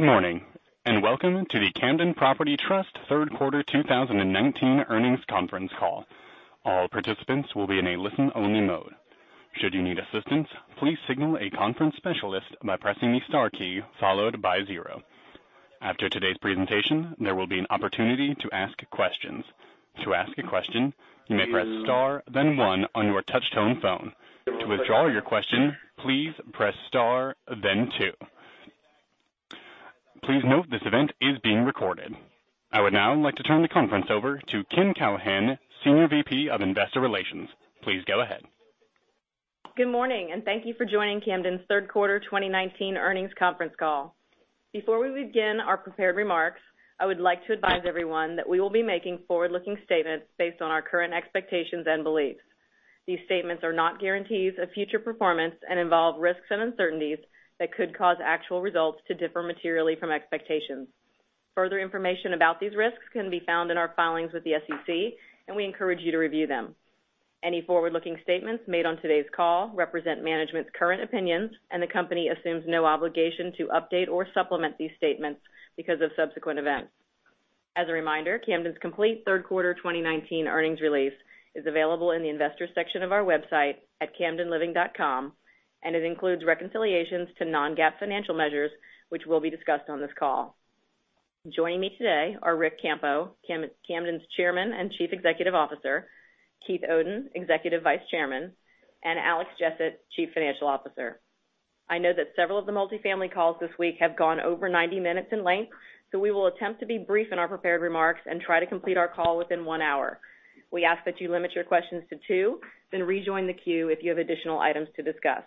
Good morning, welcome to the Camden Property Trust third quarter 2019 earnings conference call. All participants will be in a listen-only mode. Should you need assistance, please signal a conference specialist by pressing the star key followed by 0. After today's presentation, there will be an opportunity to ask questions. To ask a question, you may press star, then 1 on your touch-tone phone. To withdraw your question, please press star, then 2. Please note this event is being recorded. I would now like to turn the conference over to Kim Callahan, Senior VP of Investor Relations. Please go ahead. Good morning, and thank you for joining Camden's third quarter 2019 earnings conference call. Before we begin our prepared remarks, I would like to advise everyone that we will be making forward-looking statements based on our current expectations and beliefs. These statements are not guarantees of future performance and involve risks and uncertainties that could cause actual results to differ materially from expectations. Further information about these risks can be found in our filings with the SEC, and we encourage you to review them. Any forward-looking statements made on today's call represent management's current opinions, and the company assumes no obligation to update or supplement these statements because of subsequent events. As a reminder, Camden's complete third quarter 2019 earnings release is available in the Investors section of our website at camdenliving.com, and it includes reconciliations to non-GAAP financial measures, which will be discussed on this call. Joining me today are Ric Campo, Camden's Chairman and Chief Executive Officer, Keith Oden, Executive Vice Chairman, and Alexander Jessett, Chief Financial Officer. I know that several of the multifamily calls this week have gone over 90 minutes in length, so we will attempt to be brief in our prepared remarks and try to complete our call within one hour. We ask that you limit your questions to two, then rejoin the queue if you have additional items to discuss.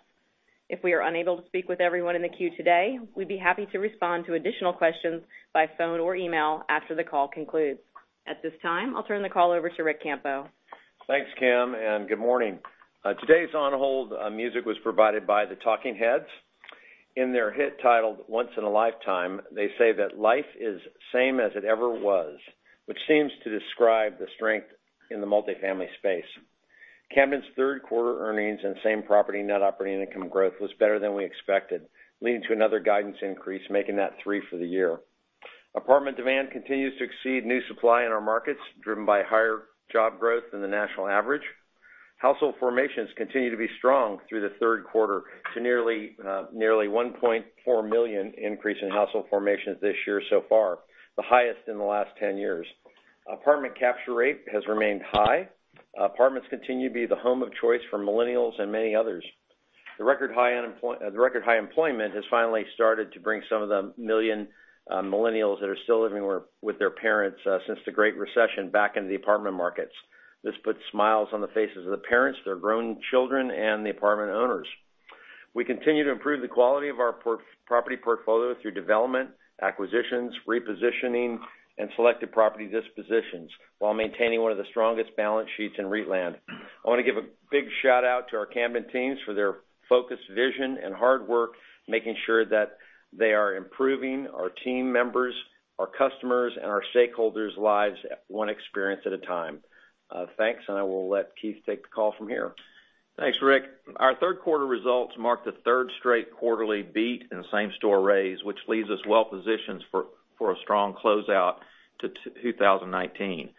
If we are unable to speak with everyone in the queue today, we'd be happy to respond to additional questions by phone or email after the call concludes. At this time, I'll turn the call over to Ric Campo. Thanks, Kim, and good morning. Today's on-hold music was provided by The Talking Heads. In their hit titled "Once in a Lifetime," they say that life is same as it ever was, which seems to describe the strength in the multifamily space. Camden's third quarter earnings and same-property net operating income growth was better than we expected, leading to another guidance increase, making that three for the year. Apartment demand continues to exceed new supply in our markets, driven by higher job growth than the national average. Household formations continue to be strong through the third quarter to nearly 1.4 million increase in household formations this year so far, the highest in the last 10 years. Apartment capture rate has remained high. Apartments continue to be the home of choice for millennials and many others. The record high employment has finally started to bring some of the million millennials that are still living with their parents since the Great Recession back into the apartment markets. This puts smiles on the faces of the parents, their grown children, and the apartment owners. We continue to improve the quality of our property portfolio through development, acquisitions, repositioning, and selected property dispositions while maintaining one of the strongest balance sheets in REIT land. I want to give a big shout-out to our Camden teams for their focused vision and hard work, making sure that they are improving our team members, our customers, and our stakeholders' lives one experience at a time. Thanks. I will let Keith take the call from here. Thanks, Ric. Our third quarter results mark the third straight quarterly beat in the same-store raise, which leaves us well-positioned for a strong closeout to 2019.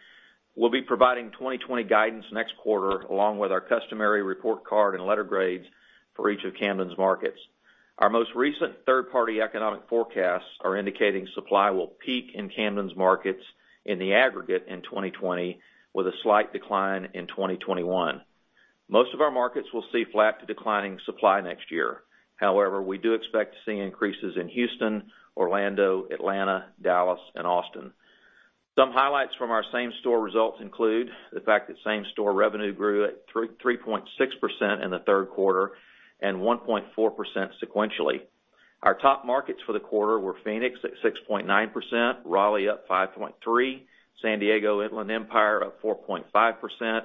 We'll be providing 2020 guidance next quarter, along with our customary report card and letter grades for each of Camden's markets. Our most recent third-party economic forecasts are indicating supply will peak in Camden's markets in the aggregate in 2020, with a slight decline in 2021. Most of our markets will see flat to declining supply next year. We do expect to see increases in Houston, Orlando, Atlanta, Dallas, and Austin. Some highlights from our same-store results include the fact that same-store revenue grew at 3.6% in the third quarter and 1.4% sequentially. Our top markets for the quarter were Phoenix at 6.9%, Raleigh up 5.3%, San Diego Inland Empire up 4.5%,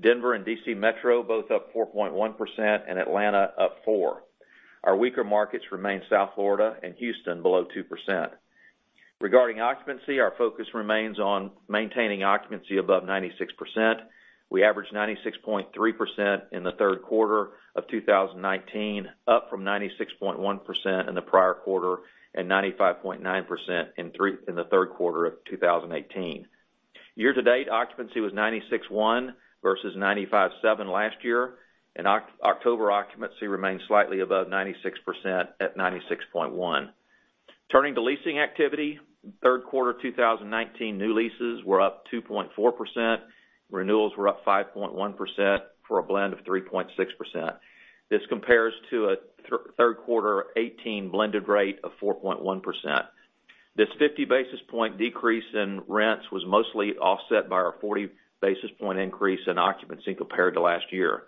Denver and D.C. Metro both up 4.1%, and Atlanta up 4%. Our weaker markets remain South Florida and Houston below 2%. Regarding occupancy, our focus remains on maintaining occupancy above 96%. We averaged 96.3% in the third quarter of 2019, up from 96.1% in the prior quarter and 95.9% in the third quarter of 2018. Year-to-date occupancy was 96.1% versus 95.7% last year. October occupancy remains slightly above 96% at 96.1%. Turning to leasing activity, third quarter 2019 new leases were up 2.4%. Renewals were up 5.1% for a blend of 3.6%. This compares to a third quarter 2018 blended rate of 4.1%. This 50-basis-point decrease in rents was mostly offset by our 40-basis-point increase in occupancy compared to last year.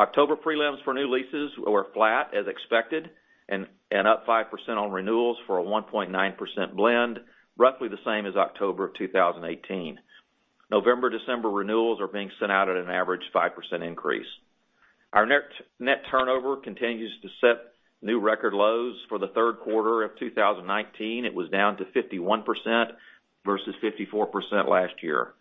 October prelims for new leases were flat as expected and up 5% on renewals for a 1.9% blend, roughly the same as October of 2018. November-December renewals are being sent out at an average 5% increase. Our net turnover continues to set new record lows for the third quarter of 2019. It was down to 51% versus 54% last year.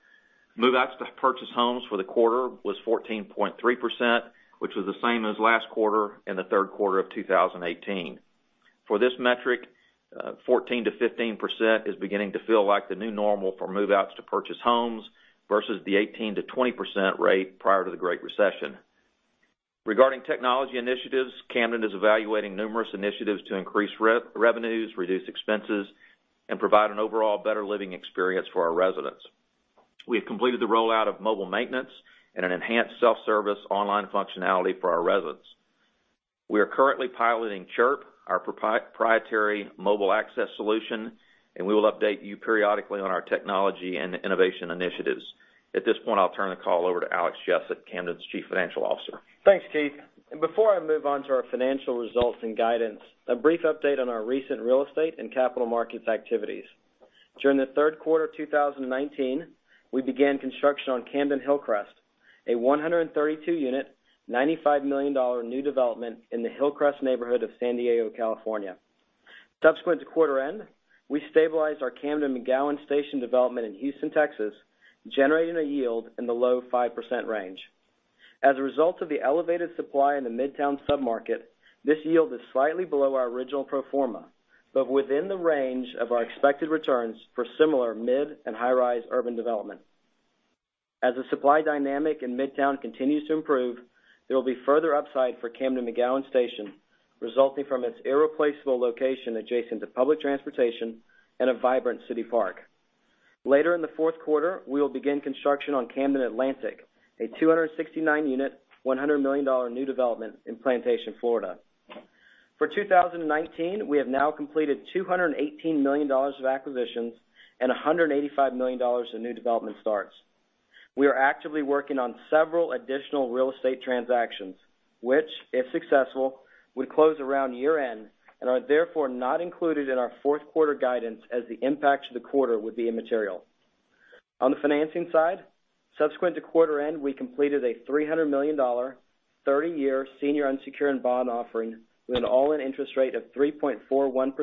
Move-outs to purchase homes for the quarter was 14.3%, which was the same as last quarter in the third quarter of 2018. For this metric, 14%-15% is beginning to feel like the new normal for move-outs to purchase homes versus the 18%-20% rate prior to the Great Recession. Regarding technology initiatives, Camden is evaluating numerous initiatives to increase revenues, reduce expenses, and provide an overall better living experience for our residents. We have completed the rollout of mobile maintenance and an enhanced self-service online functionality for our residents. We are currently piloting Chirp, our proprietary mobile access solution, and we will update you periodically on our technology and innovation initiatives. At this point, I'll turn the call over to Alex Jessett, Camden's Chief Financial Officer. Thanks, Keith. Before I move on to our financial results and guidance, a brief update on our recent real estate and capital markets activities. During the third quarter of 2019, we began construction on Camden Hillcrest, a 132-unit, $95 million new development in the Hillcrest neighborhood of San Diego, California. Subsequent to quarter end, we stabilized our Camden McGowen Station development in Houston, Texas, generating a yield in the low 5% range. As a result of the elevated supply in the midtown submarket, this yield is slightly below our original pro forma, but within the range of our expected returns for similar mid- and high-rise urban development. As the supply dynamic in midtown continues to improve, there will be further upside for Camden McGowen Station, resulting from its irreplaceable location adjacent to public transportation and a vibrant city park. Later in the fourth quarter, we will begin construction on Camden Atlantic, a 269-unit, $100 million new development in Plantation, Florida. For 2019, we have now completed $218 million of acquisitions and $185 million in new development starts. We are actively working on several additional real estate transactions, which, if successful, would close around year-end, and are therefore not included in our fourth quarter guidance as the impact to the quarter would be immaterial. On the financing side, subsequent to quarter end, we completed a $300 million 30-year senior unsecured bond offering with an all-in interest rate of 3.41%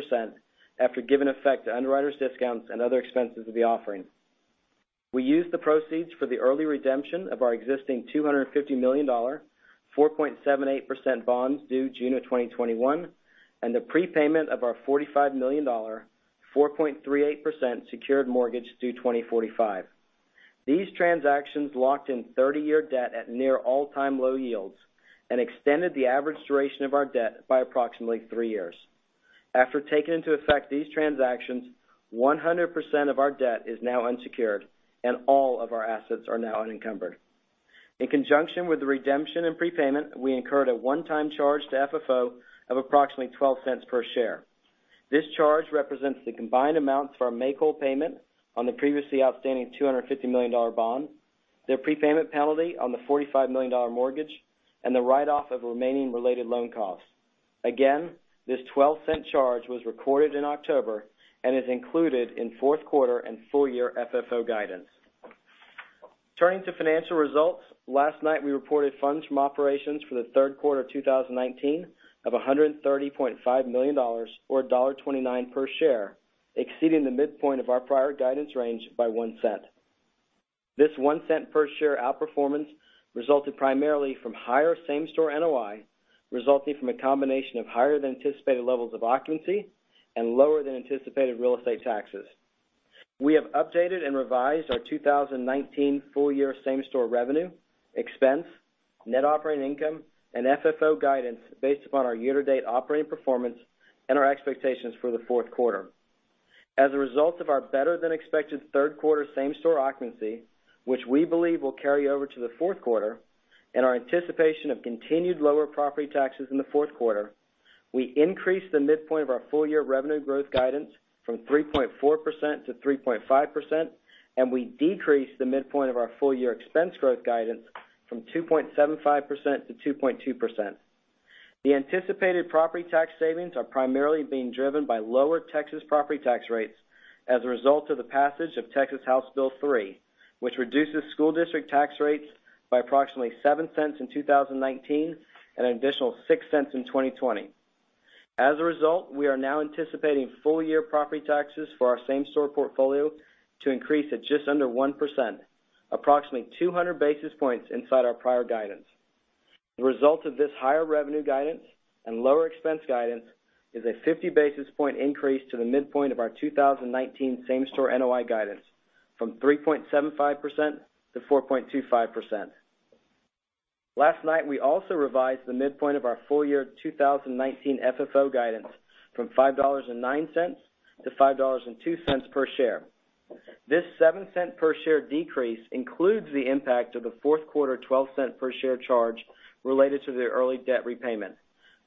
after giving effect to underwriters' discounts and other expenses of the offering. We used the proceeds for the early redemption of our existing $250 million 4.78% bonds due June of 2021, and the prepayment of our $45 million 4.38% secured mortgage due 2045. These transactions locked in 30-year debt at near all-time low yields and extended the average duration of our debt by approximately three years. After taking into effect these transactions, 100% of our debt is now unsecured, and all of our assets are now unencumbered. In conjunction with the redemption and prepayment, we incurred a one-time charge to FFO of approximately $0.12 per share. This charge represents the combined amounts for our make-whole payment on the previously outstanding $250 million bond, their prepayment penalty on the $45 million mortgage, and the write-off of remaining related loan costs. Again, this $0.12 charge was recorded in October and is included in fourth quarter and full-year FFO guidance. Turning to financial results, last night we reported funds from operations for the third quarter of 2019 of $130.5 million, or $1.29 per share, exceeding the midpoint of our prior guidance range by $0.01. This $0.01 per share outperformance resulted primarily from higher same-store NOI, resulting from a combination of higher than anticipated levels of occupancy and lower than anticipated real estate taxes. We have updated and revised our 2019 full-year same-store revenue, expense, net operating income, and FFO guidance based upon our year-to-date operating performance and our expectations for the fourth quarter. As a result of our better than expected third quarter same-store occupancy, which we believe will carry over to the fourth quarter, and our anticipation of continued lower property taxes in the fourth quarter, we increased the midpoint of our full-year revenue growth guidance from 3.4%-3.5%, and we decreased the midpoint of our full-year expense growth guidance from 2.75%-2.2%. The anticipated property tax savings are primarily being driven by lower Texas property tax rates as a result of the passage of Texas House Bill 3, which reduces school district tax rates by approximately $0.07 in 2019 and an additional $0.06 in 2020. We are now anticipating full-year property taxes for our same-store portfolio to increase at just under 1%, approximately 200 basis points inside our prior guidance. The result of this higher revenue guidance and lower expense guidance is a 50-basis point increase to the midpoint of our 2019 same-store NOI guidance from 3.75% to 4.25%. Last night, we also revised the midpoint of our full-year 2019 FFO guidance from $5.09 to $5.02 per share. This $0.07 per share decrease includes the impact of the fourth quarter $0.12 per share charge related to the early debt repayment.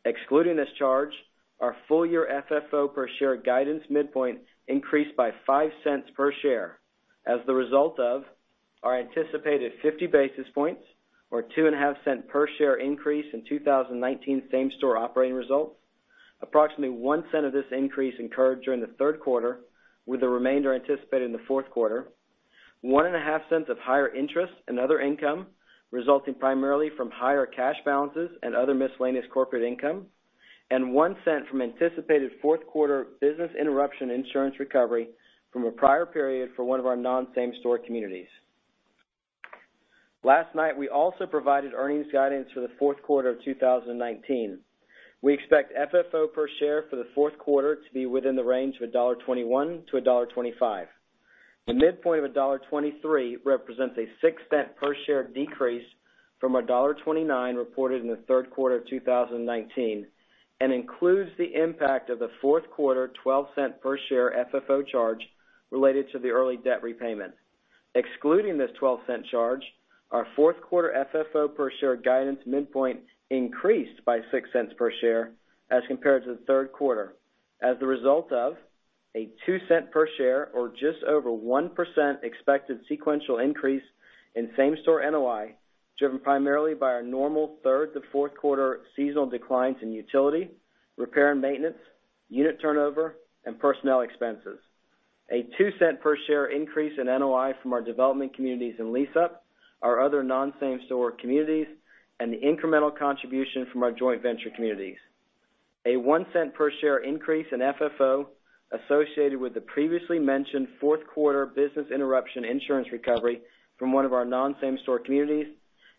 Excluding this charge, our full-year FFO per share guidance midpoint increased by $0.05 per share as the result of our anticipated 50 basis points or $0.025 per share increase in 2019 same-store operating results. Approximately $0.01 of this increase incurred during the third quarter with the remainder anticipated in the fourth quarter. $0.015 of higher interest and other income, resulting primarily from higher cash balances and other miscellaneous corporate income. One cent from anticipated fourth quarter business interruption insurance recovery from a prior period for one of our non-same store communities. Last night, we also provided earnings guidance for the fourth quarter of 2019. We expect FFO per share for the fourth quarter to be within the range of $1.21-$1.25. The midpoint of $1.23 represents a $0.06 per share decrease from $1.29 reported in the third quarter of 2019, and includes the impact of the fourth quarter $0.12 per share FFO charge related to the early debt repayment. Excluding this $0.12 charge, our fourth quarter FFO per share guidance midpoint increased by $0.06 per share as compared to the third quarter. As a result of a $0.02 per share, or just over 1% expected sequential increase in same store NOI, driven primarily by our normal third to fourth quarter seasonal declines in utility, repair and maintenance, unit turnover, and personnel expenses. A $0.02 per share increase in NOI from our development communities in lease-up, our other non-same store communities, and the incremental contribution from our joint venture communities. A $0.01 per share increase in FFO associated with the previously mentioned fourth quarter business interruption insurance recovery from one of our non-same store communities,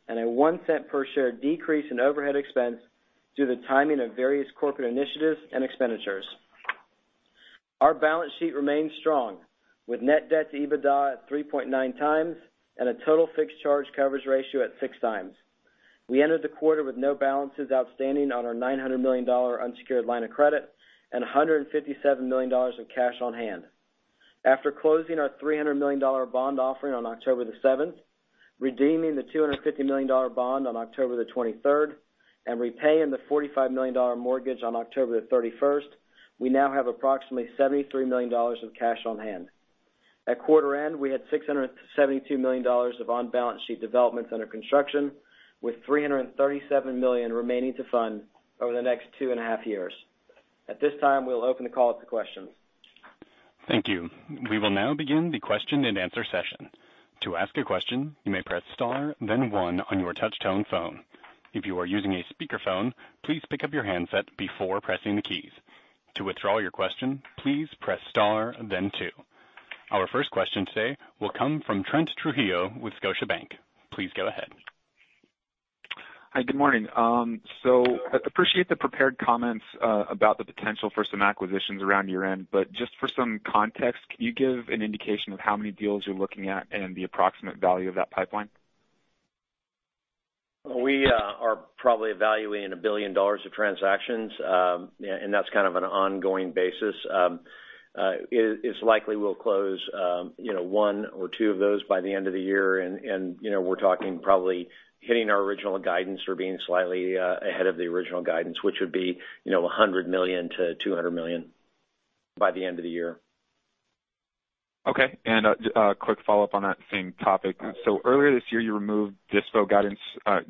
and a $0.01 per share decrease in overhead expense due to the timing of various corporate initiatives and expenditures. Our balance sheet remains strong, with net debt to EBITDA at 3.9 times, and a total fixed charge coverage ratio at 6 times. We entered the quarter with no balances outstanding on our $900 million unsecured line of credit, and $157 million in cash on hand. After closing our $300 million bond offering on October the 7th, redeeming the $250 million bond on October the 23rd, and repaying the $45 million mortgage on October 31st, we now have approximately $73 million of cash on hand. At quarter end, we had $672 million of on-balance sheet developments under construction, with $337 million remaining to fund over the next two and a half years. At this time, we'll open the call up to questions. Thank you. We will now begin the question and answer session. To ask a question, you may press star, then 1 on your touch-tone phone. If you are using a speakerphone, please pick up your handset before pressing the keys. To withdraw your question, please press star, then 2. Our first question today will come from Trent Trujillo with Scotiabank. Please go ahead. Hi, good morning. Appreciate the prepared comments about the potential for some acquisitions around year-end, but just for some context, can you give an indication of how many deals you're looking at and the approximate value of that pipeline? We are probably evaluating $1 billion of transactions. That's kind of an ongoing basis. It's likely we'll close one or two of those by the end of the year. We're talking probably hitting our original guidance or being slightly ahead of the original guidance, which would be $100 million-$200 million by the end of the year. Okay, a quick follow-up on that same topic. Earlier this year, you removed dispo guidance,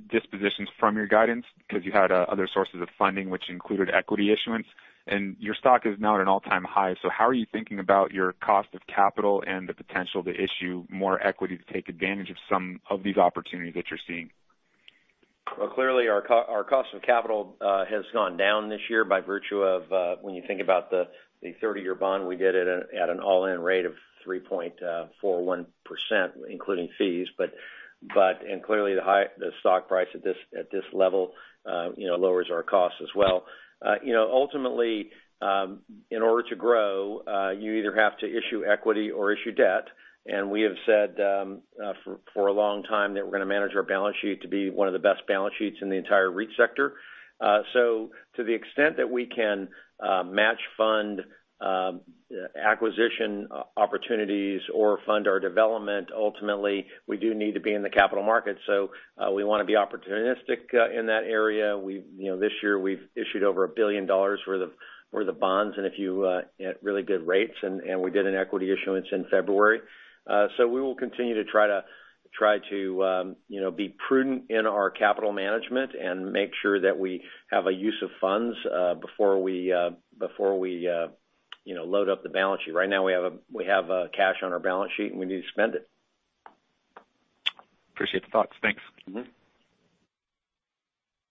dispositions from your guidance because you had other sources of funding, which included equity issuance, and your stock is now at an all-time high. How are you thinking about your cost of capital and the potential to issue more equity to take advantage of some of these opportunities that you're seeing? Well, clearly, our cost of capital has gone down this year by virtue of when you think about the 30-year bond, we did it at an all-in rate of 3.41%, including fees. Clearly, the stock price at this level lowers our cost as well. Ultimately, in order to grow, you either have to issue equity or issue debt. We have said for a long time that we're going to manage our balance sheet to be one of the best balance sheets in the entire REIT sector. To the extent that we can match fund acquisition opportunities or fund our development, ultimately, we do need to be in the capital market. We want to be opportunistic in that area. This year, we've issued over $1 billion worth of bonds at really good rates, and we did an equity issuance in February. We will continue to try to be prudent in our capital management and make sure that we have a use of funds before we load up the balance sheet. Right now, we have cash on our balance sheet, and we need to spend it. Appreciate the thoughts. Thanks.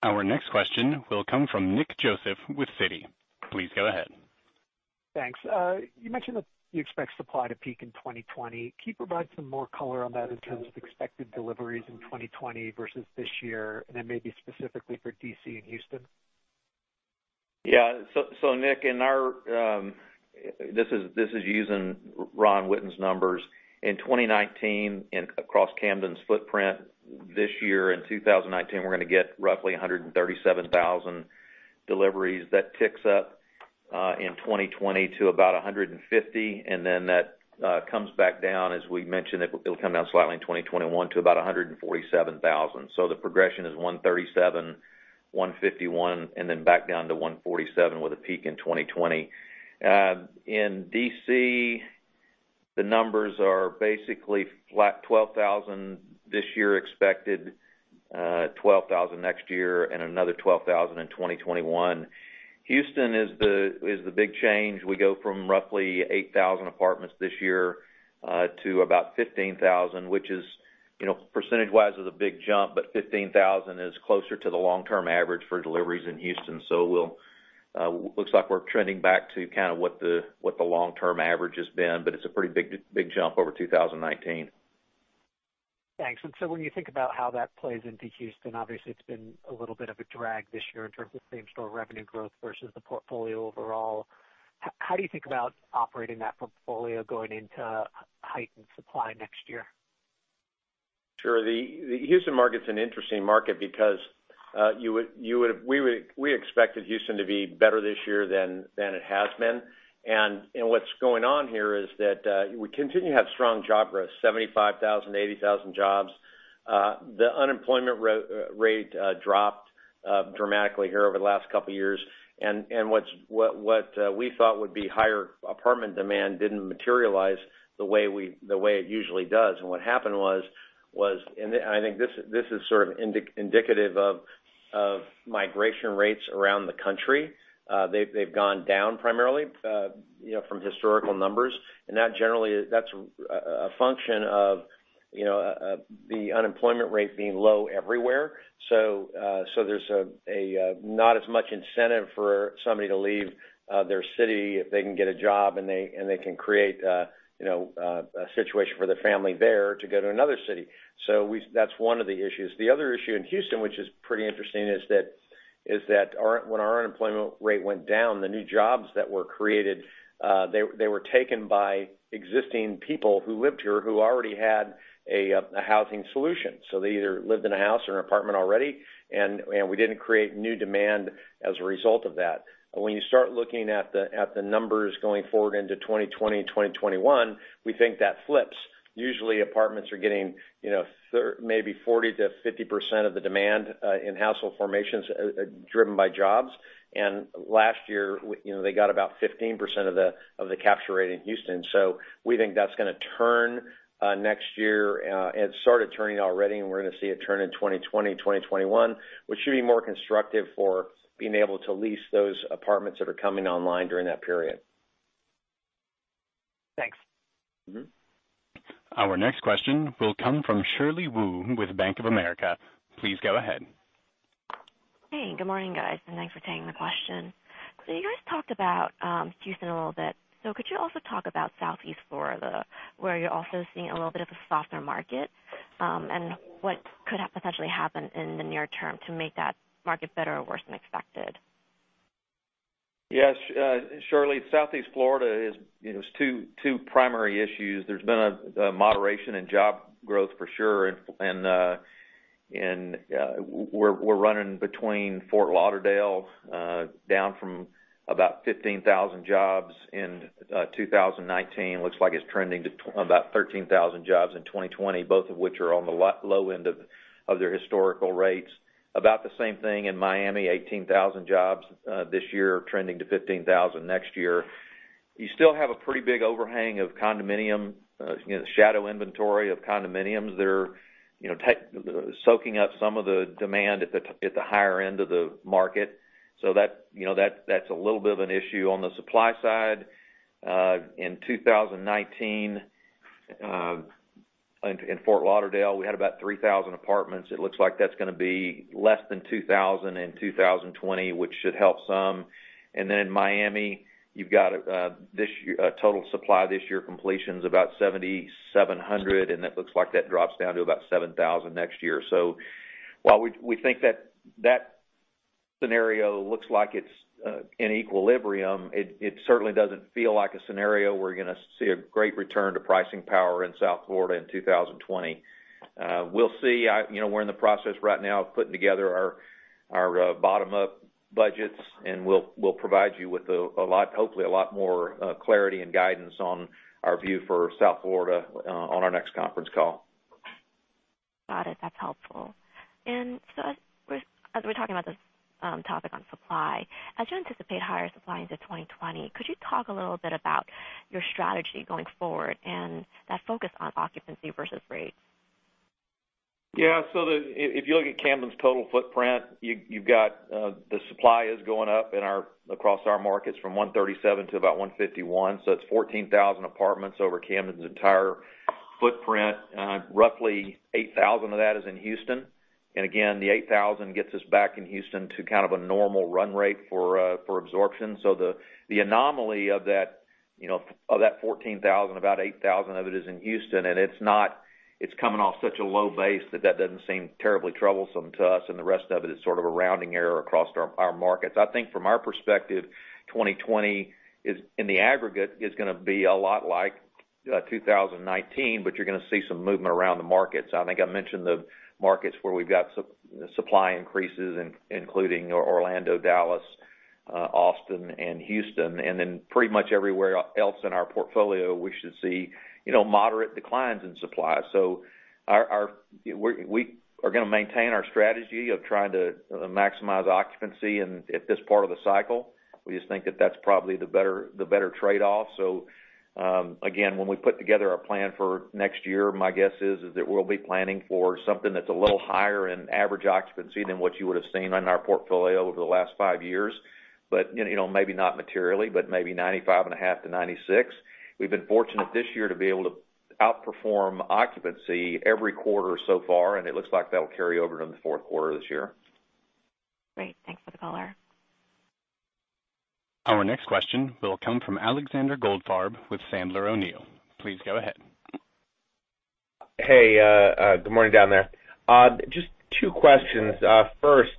Our next question will come from Nick Joseph with Citi. Please go ahead. Thanks. You mentioned that you expect supply to peak in 2020. Can you provide some more color on that in terms of expected deliveries in 2020 versus this year, and then maybe specifically for D.C. and Houston? Yeah. Nick, this is using Ron Witten's numbers. In 2019, across Camden's footprint this year in 2019, we're going to get roughly 137,000 deliveries. That ticks up in 2020 to about 150,000, that comes back down, as we mentioned, it'll come down slightly in 2021 to about 147,000. The progression is 137,000, 151,000, back down to 147,000 with a peak in 2020. In D.C., the numbers are basically flat 12,000 this year expected, 12,000 next year, and another 12,000 in 2021. Houston is the big change. We go from roughly 8,000 apartments this year to about 15,000, which is Percentage wise is a big jump, but 15,000 is closer to the long-term average for deliveries in Houston. It looks like we're trending back to kind of what the long-term average has been, but it's a pretty big jump over 2019. Thanks. When you think about how that plays into Houston, obviously it's been a little bit of a drag this year in terms of same-store revenue growth versus the portfolio overall. How do you think about operating that portfolio going into heightened supply next year? Sure. The Houston market's an interesting market because we expected Houston to be better this year than it has been. What's going on here is that we continue to have strong job growth, 75,000, 80,000 jobs. The unemployment rate dropped dramatically here over the last couple of years. What we thought would be higher apartment demand didn't materialize the way it usually does. What happened was, and I think this is sort of indicative of migration rates around the country. They've gone down primarily from historical numbers, and that's a function of the unemployment rate being low everywhere. There's not as much incentive for somebody to leave their city if they can get a job and they can create a situation for their family there to go to another city. That's one of the issues. The other issue in Houston, which is pretty interesting, is that when our unemployment rate went down, the new jobs that were created, they were taken by existing people who lived here who already had a housing solution. They either lived in a house or an apartment already, and we didn't create new demand as a result of that. When you start looking at the numbers going forward into 2020, 2021, we think that flips. Usually, apartments are getting maybe 40%-50% of the demand in household formations driven by jobs. Last year, they got about 15% of the capture rate in Houston. We think that's going to turn next year. It started turning already, and we're going to see it turn in 2020, 2021, which should be more constructive for being able to lease those apartments that are coming online during that period. Thanks. Our next question will come from Shirley Wu with Bank of America. Please go ahead. Hey, good morning, guys, and thanks for taking the question. You guys talked about Houston a little bit. Could you also talk about Southeast Florida, where you're also seeing a little bit of a softer market, and what could potentially happen in the near term to make that market better or worse than expected? Yes, Shirley. Southeast Florida has two primary issues. There's been a moderation in job growth for sure. We're running between Fort Lauderdale, down from about 15,000 jobs in 2019. Looks like it's trending to about 13,000 jobs in 2020, both of which are on the low end of their historical rates. About the same thing in Miami, 18,000 jobs this year, trending to 15,000 next year. You still have a pretty big overhang of shadow inventory of condominiums that are soaking up some of the demand at the higher end of the market. That's a little bit of an issue on the supply side. In 2019, in Fort Lauderdale, we had about 3,000 apartments. It looks like that's going to be less than 2,000 in 2020, which should help some. In Miami, you've got total supply this year completion's about 7,700, and it looks like that drops down to about 7,000 next year. While we think that scenario looks like it's in equilibrium, it certainly doesn't feel like a scenario we're going to see a great return to pricing power in South Florida in 2020. We'll see. We're in the process right now of putting together our bottom-up budgets, and we'll provide you with hopefully a lot more clarity and guidance on our view for South Florida on our next conference call. Got it. That's helpful. As we're talking about this topic on supply, as you anticipate higher supply into 2020, could you talk a little bit about your strategy going forward and that focus on occupancy versus rate? Yeah. If you look at Camden's total footprint, you've got the supply is going up across our markets from 137 to about 151. It's 14,000 apartments over Camden's entire footprint. Roughly 8,000 of that is in Houston. Again, the 8,000 gets us back in Houston to kind of a normal run rate for absorption. The anomaly of that 14,000, about 8,000 of it is in Houston, and it's coming off such a low base that that doesn't seem terribly troublesome to us, and the rest of it is sort of a rounding error across our markets. I think from our perspective, 2020 in the aggregate is going to be a lot like 2019, but you're going to see some movement around the markets. I think I mentioned the markets where we've got supply increases, including Orlando, Dallas, Austin, and Houston. Pretty much everywhere else in our portfolio, we should see moderate declines in supply. We are going to maintain our strategy of trying to maximize occupancy at this part of the cycle. We just think that that's probably the better trade-off. Again, when we put together our plan for next year, my guess is that we'll be planning for something that's a little higher in average occupancy than what you would've seen in our portfolio over the last five years. Maybe not materially, but maybe 95 and a half to 96. We've been fortunate this year to be able to outperform occupancy every quarter so far, and it looks like that'll carry over into the fourth quarter this year. Great. Thanks for the caller. Our next question will come from Alexander Goldfarb with Sandler O'Neill. Please go ahead. Hey. Good morning down there. Just two questions. First,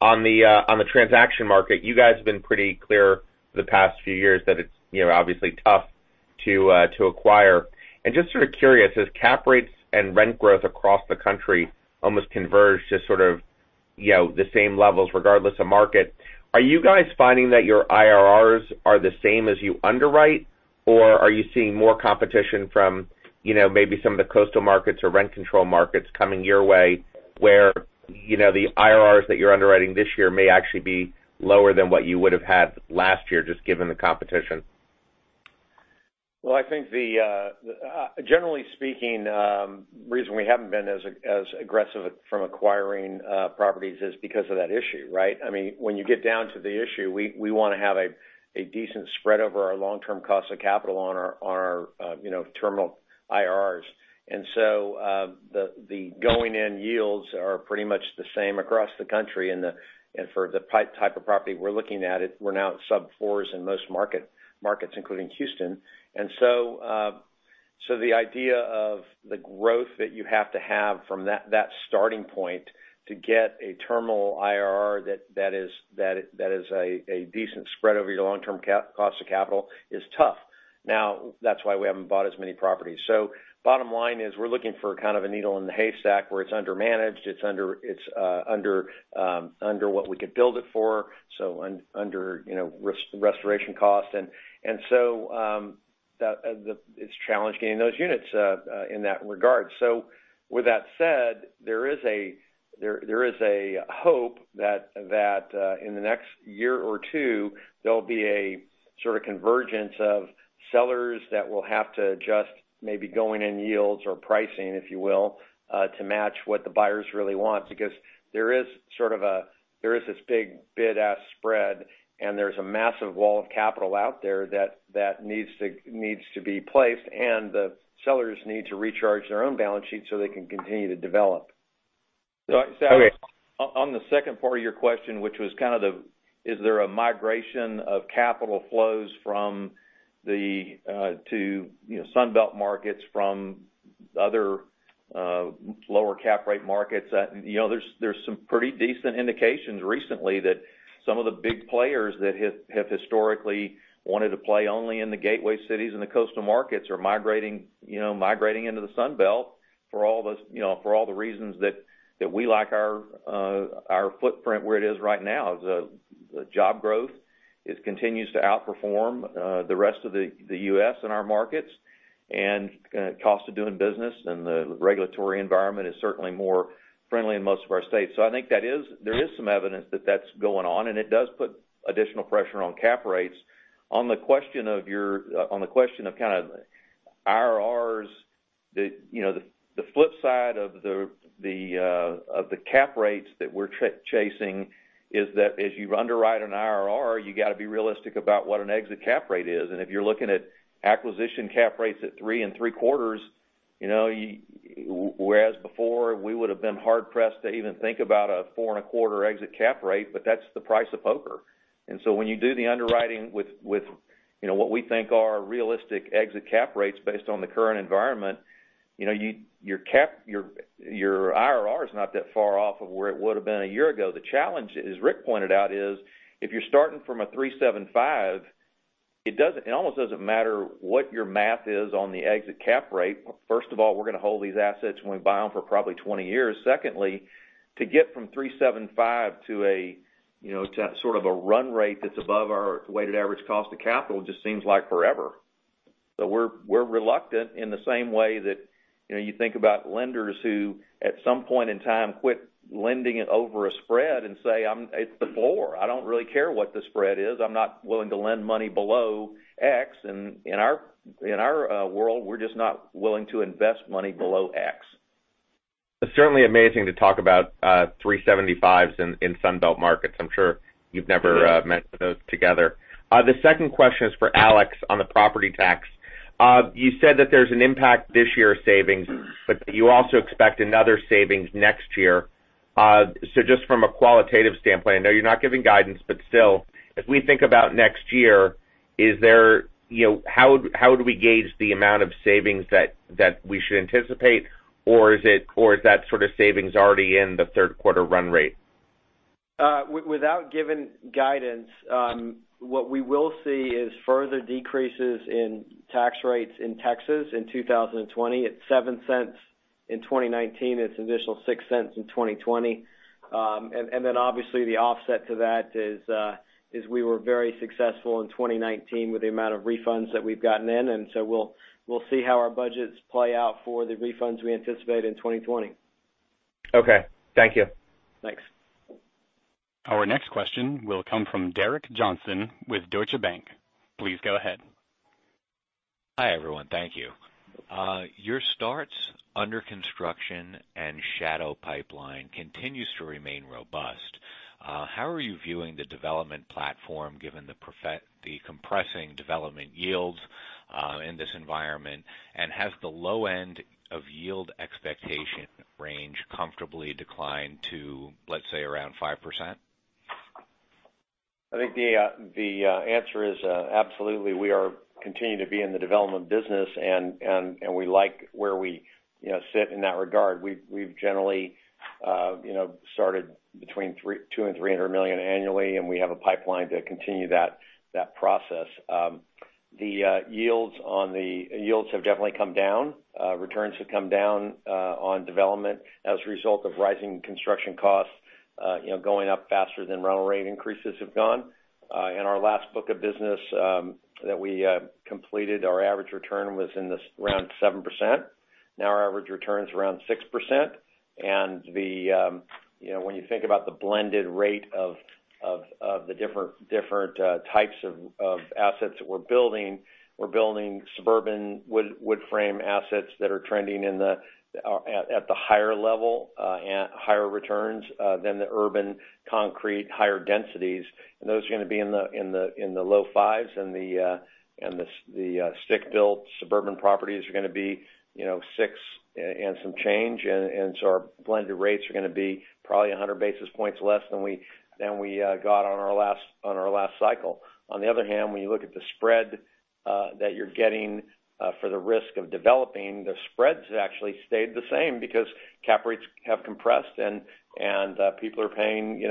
on the transaction market, you guys have been pretty clear for the past few years that it's obviously tough to acquire. Just sort of curious, as cap rates and rent growth across the country almost converge to sort of the same levels regardless of market, are you guys finding that your IRRs are the same as you underwrite? Are you seeing more competition from maybe some of the coastal markets or rent control markets coming your way, where the IRRs that you're underwriting this year may actually be lower than what you would've had last year, just given the competition? Well, I think generally speaking, the reason we haven't been as aggressive from acquiring properties is because of that issue, right? When you get down to the issue, we want to have a decent spread over our long-term cost of capital on our terminal IRRs. The going-in yields are pretty much the same across the country, and for the type of property we're looking at, we're now at sub-fours in most markets, including Houston. The idea of the growth that you have to have from that starting point to get a terminal IRR that is a decent spread over your long-term cost of capital is tough. Now, that's why we haven't bought as many properties. Bottom line is, we're looking for kind of a needle in the haystack, where it's under-managed, it's under what we could build it for, so under restoration costs. It's challenging getting those units in that regard. With that said, there is a hope that in the next year or two, there'll be a sort of convergence of sellers that will have to adjust, maybe going in yields or pricing, if you will, to match what the buyers really want. There is this big bid-ask spread, and there's a massive wall of capital out there that needs to be placed, and the sellers need to recharge their own balance sheet so they can continue to develop. Okay. On the second part of your question, which was kind of the, is there a migration of capital flows to Sun Belt markets from other lower cap rate markets? There's some pretty decent indications recently that some of the big players that have historically wanted to play only in the gateway cities and the coastal markets are migrating into the Sun Belt, for all the reasons that we like our footprint where it is right now. The job growth, it continues to outperform the rest of the U.S. in our markets. Cost of doing business and the regulatory environment is certainly more friendly in most of our states. I think there is some evidence that that's going on, and it does put additional pressure on cap rates. On the question of IRRs, the flip side of the cap rates that we're chasing is that as you underwrite an IRR, you got to be realistic about what an exit cap rate is. If you're looking at acquisition cap rates at 3.75, whereas before, we would've been hard-pressed to even think about a 4.25 exit cap rate, but that's the price of poker. When you do the underwriting with what we think are realistic exit cap rates based on the current environment, your IRR is not that far off of where it would've been a year ago. The challenge, as Ric pointed out, is if you're starting from a 3.75, it almost doesn't matter what your math is on the exit cap rate. We're going to hold these assets when we buy them for probably 20 years. To get from 3.75 to sort of a run rate that is above our weighted average cost of capital just seems like forever. We are reluctant in the same way that you think about lenders who at some point in time, quit lending it over a spread and say, "It's the floor. I don't really care what the spread is. I'm not willing to lend money below X." In our world, we are just not willing to invest money below X. It's certainly amazing to talk about 3.75s in Sun Belt markets. I'm sure you've never mentioned those together. The second question is for Alex on the property tax. You said that there's an impact this year of savings, but you also expect another savings next year. Just from a qualitative standpoint, I know you're not giving guidance, but still, as we think about next year, how do we gauge the amount of savings that we should anticipate, or is that sort of savings already in the third quarter run rate? Without giving guidance, what we will see is further decreases in tax rates in Texas in 2020. It's $0.07 in 2019, it's an additional $0.06 in 2020. Obviously, the offset to that is we were very successful in 2019 with the amount of refunds that we've gotten in. We'll see how our budgets play out for the refunds we anticipate in 2020. Okay. Thank you. Thanks. Our next question will come from Derek Johnston with Deutsche Bank. Please go ahead. Hi, everyone. Thank you. Your starts, under construction, and shadow pipeline continues to remain robust. How are you viewing the development platform, given the compressing development yields? In this environment, has the low end of yield expectation range comfortably declined to, let's say, around 5%? I think the answer is absolutely. We are continuing to be in the development business, and we like where we sit in that regard. We've generally started between $200 million and $300 million annually, and we have a pipeline to continue that process. The yields have definitely come down. Returns have come down on development as a result of rising construction costs, going up faster than rental rate increases have gone. In our last book of business that we completed, our average return was around 7%. Now our average return is around 6%. When you think about the blended rate of the different types of assets that we're building, we're building suburban wood-frame assets that are trending at the higher level, higher returns than the urban concrete, higher densities. Those are going to be in the low 5s and the stick-built suburban properties are going to be 6 and some change, and so our blended rates are going to be probably 100 basis points less than we got on our last cycle. On the other hand, when you look at the spread that you're getting for the risk of developing, the spreads actually stayed the same because cap rates have compressed and people are paying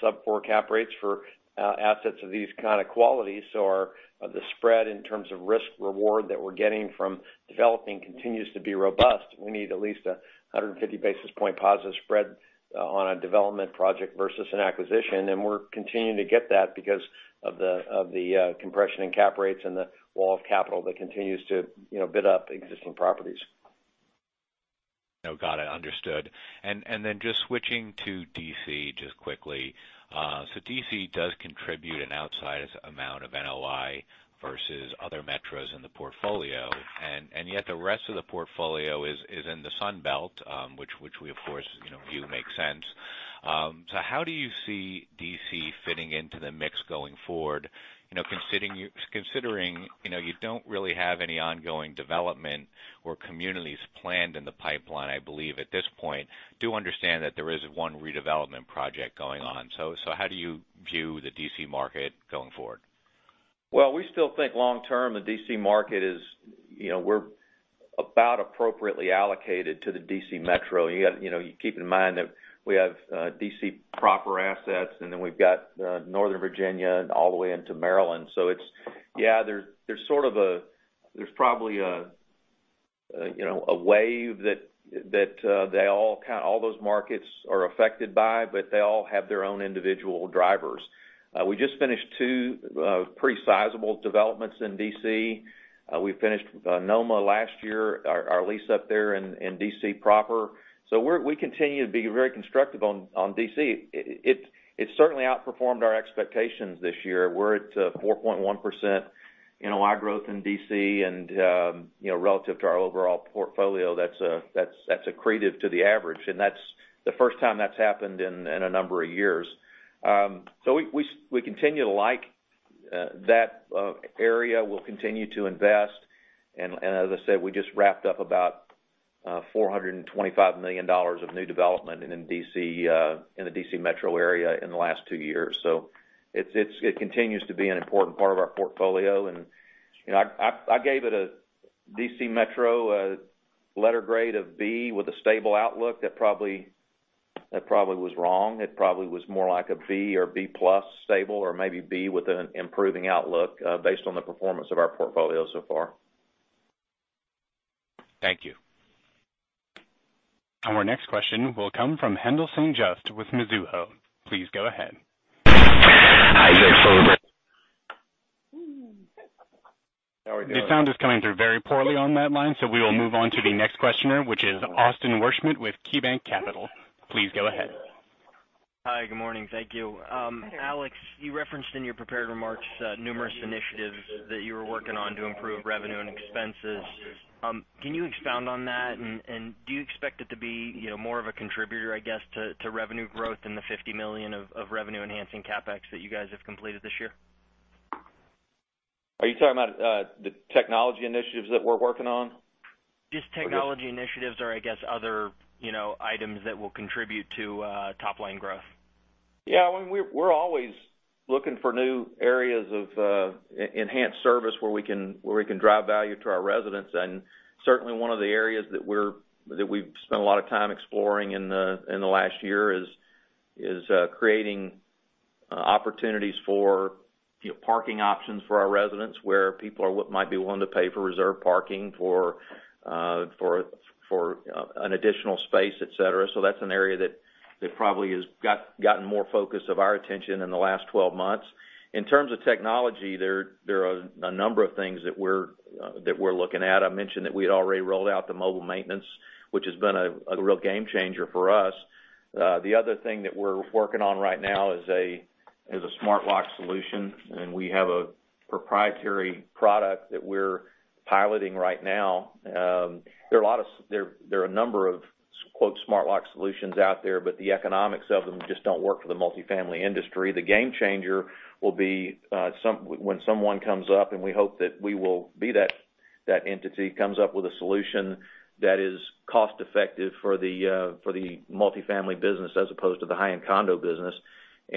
sub-4 cap rates for assets of these kind of qualities. The spread in terms of risk-reward that we're getting from developing continues to be robust. We need at least a 150-basis-point positive spread on a development project versus an acquisition. We're continuing to get that because of the compression in cap rates and the wall of capital that continues to bid up existing properties. No, got it. Understood. Then just switching to D.C., just quickly. D.C. does contribute an outsized amount of NOI versus other metros in the portfolio. Yet the rest of the portfolio is in the Sun Belt, which we, of course, view makes sense. How do you see D.C. fitting into the mix going forward, considering you don't really have any ongoing development or communities planned in the pipeline, I believe at this point. Do understand that there is one redevelopment project going on. How do you view the D.C. market going forward? We still think long term, the D.C. market is. We're about appropriately allocated to the D.C. metro. You keep in mind that we have D.C. proper assets, and then we've got Northern Virginia and all the way into Maryland. There's probably a wave that all those markets are affected by, but they all have their own individual drivers. We just finished two pretty sizable developments in D.C. We finished NoMa last year, our lease up there in D.C. proper. We continue to be very constructive on D.C. It's certainly outperformed our expectations this year. We're at 4.1% NOI growth in D.C., and relative to our overall portfolio, that's accretive to the average. That's the first time that's happened in a number of years. We continue to like that area. We'll continue to invest. As I said, we just wrapped up about $425 million of new development in the D.C. metro area in the last two years. It continues to be an important part of our portfolio. I gave D.C. metro a letter grade of B with a stable outlook. That probably was wrong. It probably was more like a B or B-plus stable, or maybe B with an improving outlook based on the performance of our portfolio so far. Thank you. Our next question will come from Haendel St. Juste with Mizuho. Please go ahead. How are we doing? Your sound is coming through very poorly on that line, so we will move on to the next questioner, which is Austin Wurschmidt with KeyBanc Capital Markets. Please go ahead. Hi, good morning. Thank you. Alex, you referenced in your prepared remarks numerous initiatives that you were working on to improve revenue and expenses. Can you expound on that, and do you expect it to be more of a contributor, I guess, to revenue growth in the $50 million of revenue-enhancing CapEx that you guys have completed this year? Are you talking about the technology initiatives that we're working on? Just technology initiatives or I guess other items that will contribute to top-line growth. Yeah. We're always looking for new areas of enhanced service where we can drive value to our residents. Certainly, one of the areas that we've spent a lot of time exploring in the last year is creating opportunities for parking options for our residents, where people might be willing to pay for reserve parking for an additional space, et cetera. That's an area that probably has gotten more focus of our attention in the last 12 months. In terms of technology, there are a number of things that we're looking at. I mentioned that we had already rolled out the mobile maintenance, which has been a real game changer for us. The other thing that we're working on right now is a smart lock solution, and we have a proprietary product that we're piloting right now. There are a number of smart lock solutions out there, but the economics of them just don't work for the multifamily industry." The game changer will be when someone comes up, and we hope that we will be that entity, comes up with a solution that is cost-effective for the multifamily business as opposed to the high-end condo business.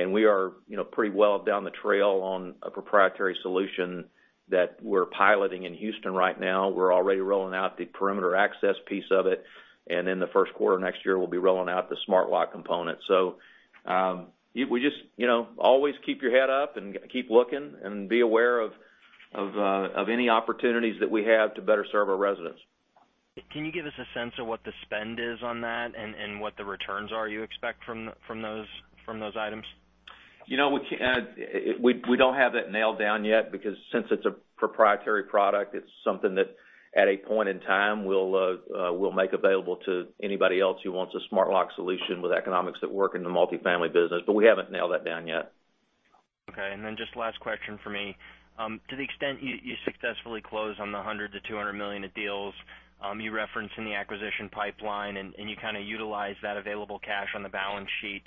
We are pretty well down the trail on a proprietary solution that we're piloting in Houston right now. We're already rolling out the perimeter access piece of it. In the first quarter next year, we'll be rolling out the smart lock component. Always keep your head up and keep looking and be aware of any opportunities that we have to better serve our residents. Can you give us a sense of what the spend is on that and what the returns are you expect from those items? We don't have that nailed down yet, because since it's a proprietary product, it's something that at a point in time, we'll make available to anybody else who wants a smart lock solution with economics that work in the multifamily business. We haven't nailed that down yet. Okay, just last question from me. To the extent you successfully close on the $100 million-$200 million of deals you referenced in the acquisition pipeline, and you kind of utilize that available cash on the balance sheet.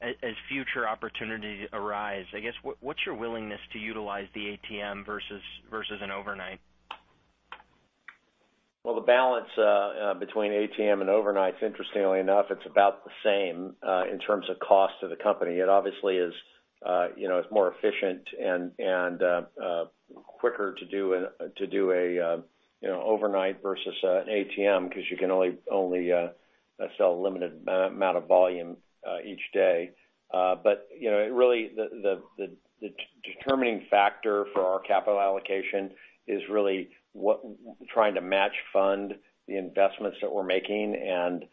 As future opportunities arise, I guess, what's your willingness to utilize the ATM versus an overnight? The balance between ATM and overnight, interestingly enough, it's about the same in terms of cost to the company. It obviously is more efficient and quicker to do an overnight versus an ATM, because you can only sell a limited amount of volume each day. Really, the determining factor for our capital allocation is really trying to match fund the investments that we're making, and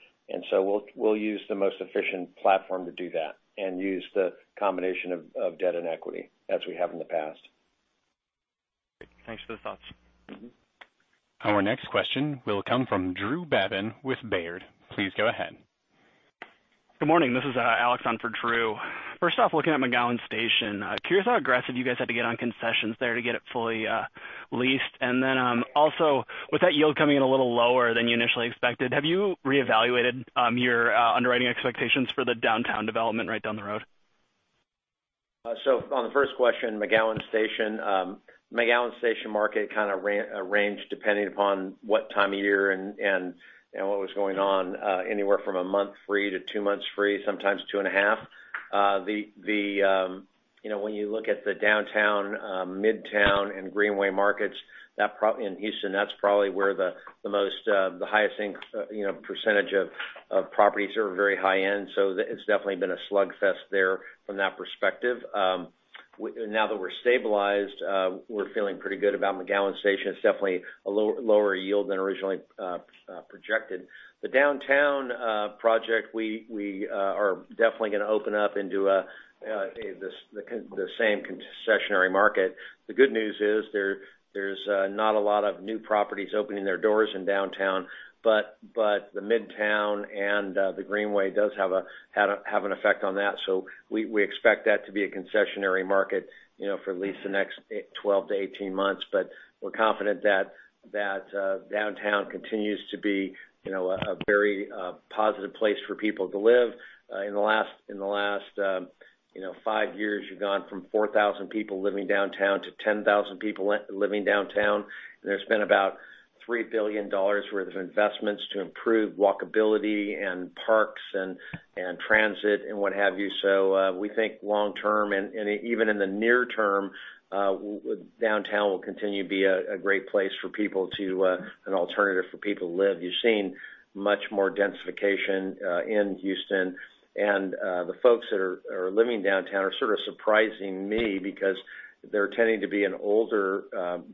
so we'll use the most efficient platform to do that and use the combination of debt and equity as we have in the past. Thanks for those thoughts. Our next question will come from Andrew Babin with Baird. Please go ahead. Good morning. This is Alex on for Drew. First off, looking at McGowen Station, curious how aggressive you guys had to get on concessions there to get it fully leased. Also, with that yield coming in a little lower than you initially expected, have you reevaluated your underwriting expectations for the downtown development right down the road? On the first question, McGowen Station. McGowen Station market kind of ranged depending upon what time of year and what was going on, anywhere from one month free to two months free, sometimes two and a half. When you look at the Downtown, Midtown, and Greenway markets in Houston, that's probably where the highest percentage of properties are very high-end. It's definitely been a slugfest there from that perspective. Now that we're stabilized, we're feeling pretty good about McGowen Station. It's definitely a lower yield than originally projected. The Downtown project, we are definitely going to open up into the same concessionary market. The good news is there's not a lot of new properties opening their doors in Downtown. The Midtown and the Greenway does have an effect on that. We expect that to be a concessionary market for at least the next 12 to 18 months. We're confident that Downtown continues to be a very positive place for people to live. In the last five years, you've gone from 4,000 people living downtown to 10,000 people living downtown. There's been about $3 billion worth of investments to improve walkability and parks and transit and what have you. We think long-term and even in the near term, Downtown will continue to be a great place. An alternative for people to live. You're seeing much more densification in Houston, and the folks that are living downtown are sort of surprising me because they're tending to be an older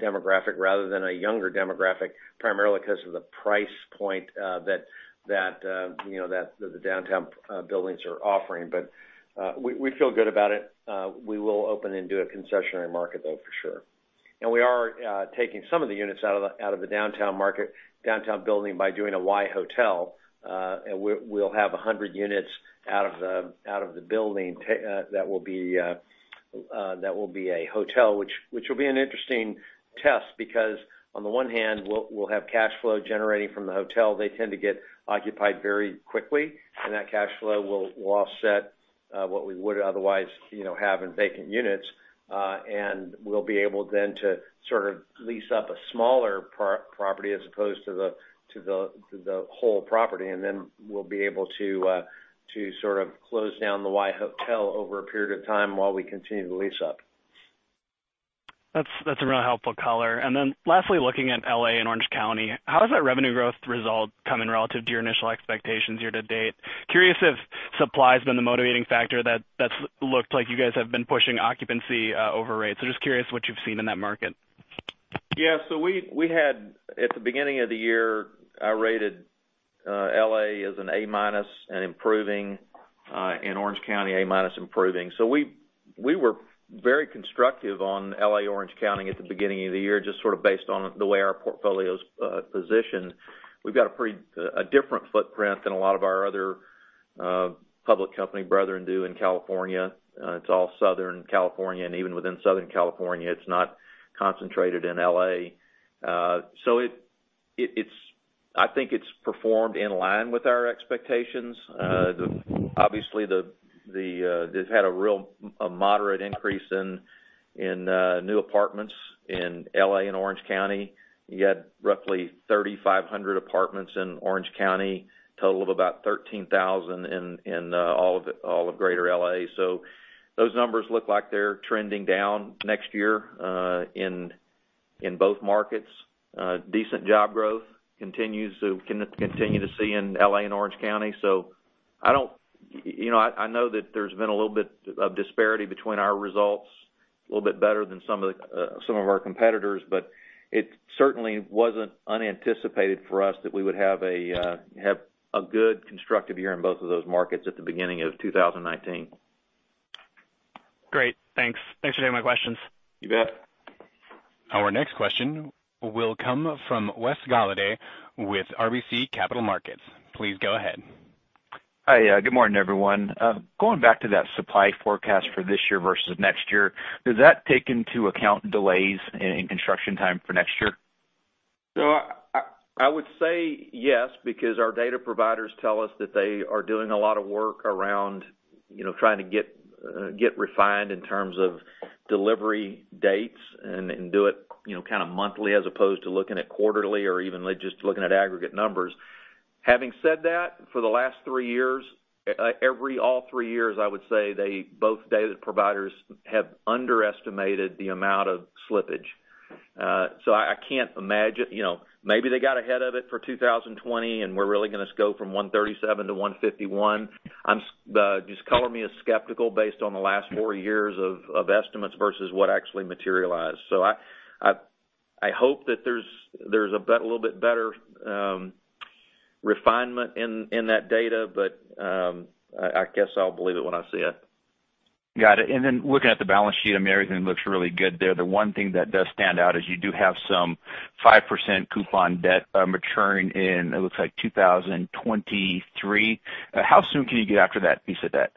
demographic rather than a younger demographic, primarily because of the price point that the downtown buildings are offering. We feel good about it. We will open into a concessionary market, though, for sure. We are taking some of the units out of the downtown market, downtown building, by doing a WhyHotel. We'll have 100 units out of the building that will be a hotel, which will be an interesting test because on the one hand, we'll have cash flow generating from the hotel. They tend to get occupied very quickly, that cash flow will offset what we would otherwise have in vacant units. We'll be able then to sort of lease up a smaller property as opposed to the whole property, then we'll be able to sort of close down the WhyHotel over a period of time while we continue to lease up. That's a really helpful color. Lastly, looking at L.A. and Orange County, how does that revenue growth result come in relative to your initial expectations year to date? Curious if supply's been the motivating factor that's looked like you guys have been pushing occupancy over rates. Just curious what you've seen in that market. Yeah. We had at the beginning of the year, I rated L.A. as an A-minus and improving, and Orange County A-minus improving. We were very constructive on L.A., Orange County at the beginning of the year, just sort of based on the way our portfolio's positioned. We've got a different footprint than a lot of our other public company brethren do in California. It's all Southern California, and even within Southern California, it's not concentrated in L.A. I think it's performed in line with our expectations. Obviously, they've had a moderate increase in new apartments in L.A. and Orange County. You had roughly 3,500 apartments in Orange County, total of about 13,000 in all of Greater L.A. Those numbers look like they're trending down next year in both markets. Decent job growth continue to see in L.A. and Orange County. I know that there's been a little bit of disparity between our results, a little bit better than some of our competitors, but it certainly wasn't unanticipated for us that we would have a good constructive year in both of those markets at the beginning of 2019. Great. Thanks for taking my questions. You bet. Our next question will come from Wesley Golladay with RBC Capital Markets. Please go ahead. Hi. Good morning, everyone. Going back to that supply forecast for this year versus next year, does that take into account delays in construction time for next year? I would say yes, because our data providers tell us that they are doing a lot of work around trying to get refined in terms of delivery dates and do it monthly as opposed to looking at quarterly or even just looking at aggregate numbers. Having said that, for the last three years, all three years, I would say both data providers have underestimated the amount of slippage. I can't imagine. Maybe they got ahead of it for 2020, and we're really going to go from 137 to 151. Just color me as skeptical based on the last four years of estimates versus what actually materialized. I hope that there's a little bit better refinement in that data, but I guess I'll believe it when I see it. Got it. Looking at the balance sheet, I mean, everything looks really good there. The one thing that does stand out is you do have some 5% coupon debt maturing in, it looks like 2023. How soon can you get after that piece of debt?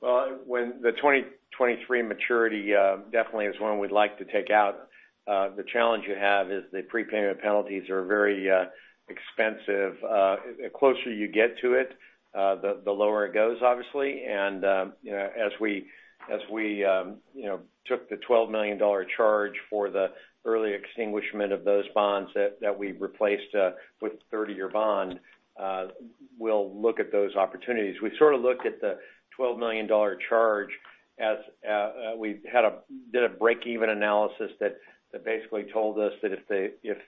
Well, when the 2023 maturity definitely is one we'd like to take out. The challenge you have is the prepayment penalties are very expensive. The closer you get to it, the lower it goes, obviously. As we took the $12 million charge for the early extinguishment of those bonds that we replaced with the 30-year bond, we'll look at those opportunities. We sort of looked at the $12 million charge as we did a break-even analysis that basically told us that if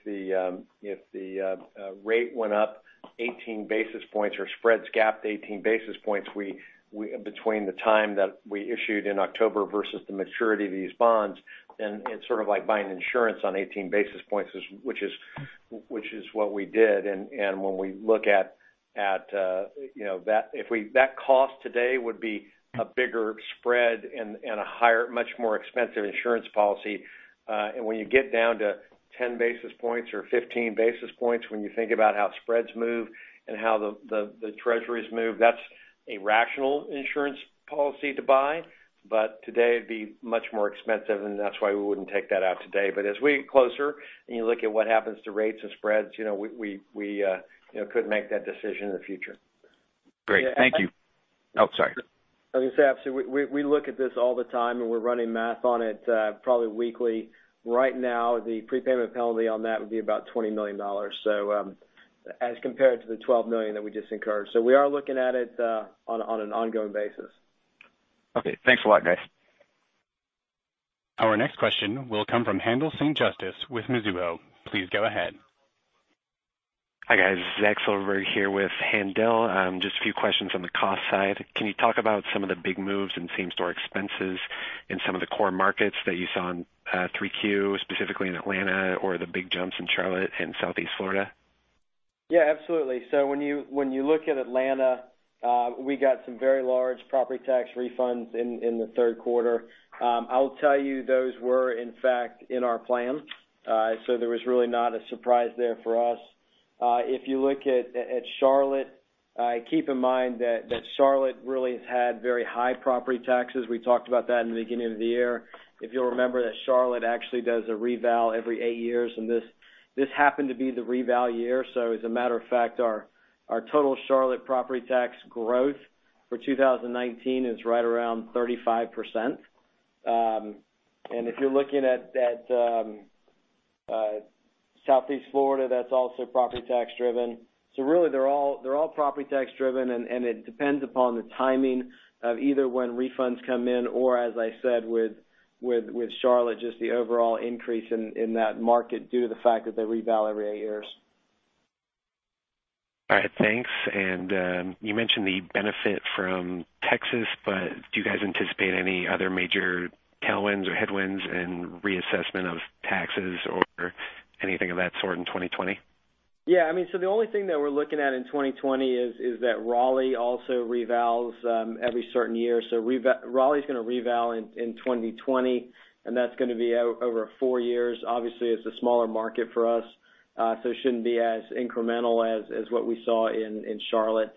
the rate went up 18 basis points or spreads gapped 18 basis points between the time that we issued in October versus the maturity of these bonds, then it's sort of like buying insurance on 18 basis points, which is what we did. When we look at that cost today would be a bigger spread and a much more expensive insurance policy. When you get down to 10 basis points or 15 basis points, when you think about how spreads move and how the treasuries move, that's a rational insurance policy to buy. Today it'd be much more expensive, and that's why we wouldn't take that out today. As we get closer and you look at what happens to rates and spreads, we could make that decision in the future. Great. Thank you. Oh, sorry. I was going to say, absolutely. We look at this all the time, and we're running math on it probably weekly. Right now, the prepayment penalty on that would be about $20 million, as compared to the $12 million that we just incurred. We are looking at it on an ongoing basis. Okay. Thanks a lot, guys. Our next question will come from Haendel St. Juste with Mizuho. Please go ahead. Hi, guys. Zachary Silverberg here with Haendel. Just a few questions on the cost side. Can you talk about some of the big moves in same-store expenses in some of the core markets that you saw in Q3, specifically in Atlanta or the big jumps in Charlotte and Southeast Florida? Yeah, absolutely. When you look at Atlanta, we got some very large property tax refunds in the third quarter. I'll tell you, those were, in fact, in our plan. There was really not a surprise there for us. If you look at Charlotte, keep in mind that Charlotte really has had very high property taxes. We talked about that in the beginning of the year. If you'll remember that Charlotte actually does a reval every eight years, and this happened to be the reval year. As a matter of fact, our total Charlotte property tax growth for 2019 is right around 35%. If you're looking at Southeast Florida, that's also property tax driven. Really, they're all property tax driven, and it depends upon the timing of either when refunds come in or, as I said with Charlotte, just the overall increase in that market due to the fact that they reval every eight years. All right. Thanks. You mentioned the benefit from Texas, but do you guys anticipate any other major tailwinds or headwinds in reassessment of taxes or anything of that sort in 2020? The only thing that we're looking at in 2020 is that Raleigh also revals every certain year. Raleigh's going to reval in 2020, and that's going to be over four years. Obviously, it's a smaller market for us. It shouldn't be as incremental as what we saw in Charlotte.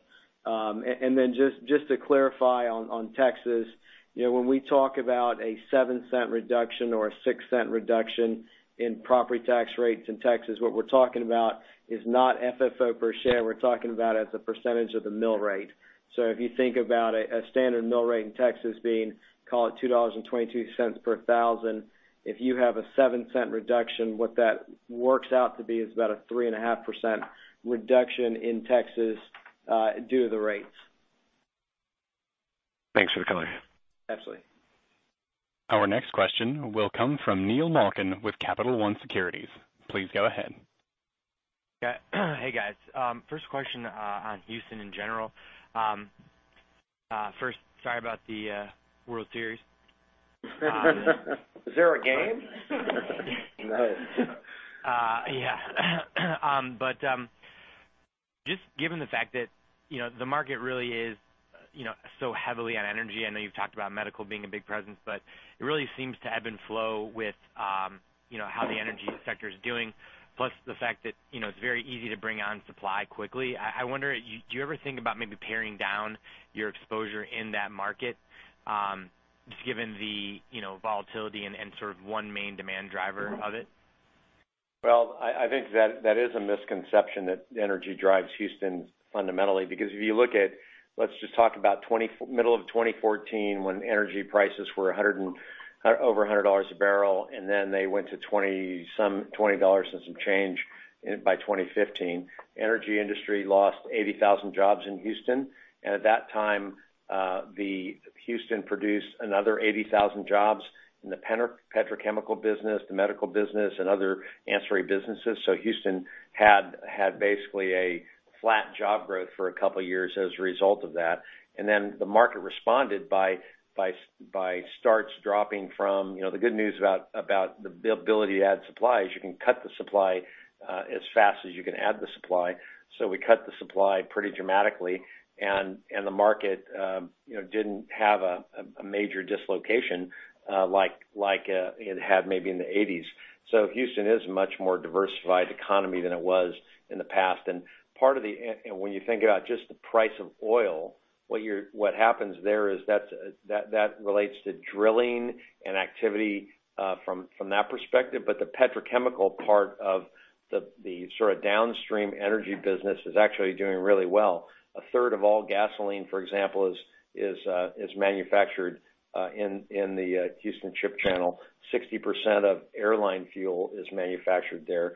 Just to clarify on Texas, when we talk about a $0.07 reduction or a $0.06 reduction in property tax rates in Texas, what we're talking about is not FFO per share. We're talking about as a percentage of the mill rate. If you think about it, a standard mill rate in Texas being, call it $2.22 per thousand, if you have a $0.07 reduction, what that works out to be is about a 3.5% reduction in Texas due to the rates. Thanks for the color. Absolutely. Our next question will come from Neil Malkin with Capital One Securities. Please go ahead. Hey, guys. First question on Houston in general. First, sorry about the World Series. Was there a game? Yeah. Just given the fact that the market really is so heavily on energy, I know you've talked about medical being a big presence, but it really seems to ebb and flow with how the energy sector's doing, plus the fact that it's very easy to bring on supply quickly. I wonder, do you ever think about maybe paring down your exposure in that market, just given the volatility and sort of one main demand driver of it? Well, I think that is a misconception that energy drives Houston fundamentally, because if you look at, let's just talk about middle of 2014 when energy prices were over $100 a barrel, and then they went to $20 and some change by 2015. Energy industry lost 80,000 jobs in Houston, and at that time, Houston produced another 80,000 jobs in the petrochemical business, the medical business, and other ancillary businesses. Houston had basically a flat job growth for two years as a result of that. The market responded. The good news about the ability to add supply is you can cut the supply as fast as you can add the supply. We cut the supply pretty dramatically, and the market didn't have a major dislocation like it had maybe in the '80s. Houston is a much more diversified economy than it was in the past. When you think about just the price of oil, what happens there is that relates to drilling and activity from that perspective. The petrochemical part of the sort of downstream energy business is actually doing really well. A third of all gasoline, for example, is manufactured in the Houston Ship Channel. 60% of airline fuel is manufactured there.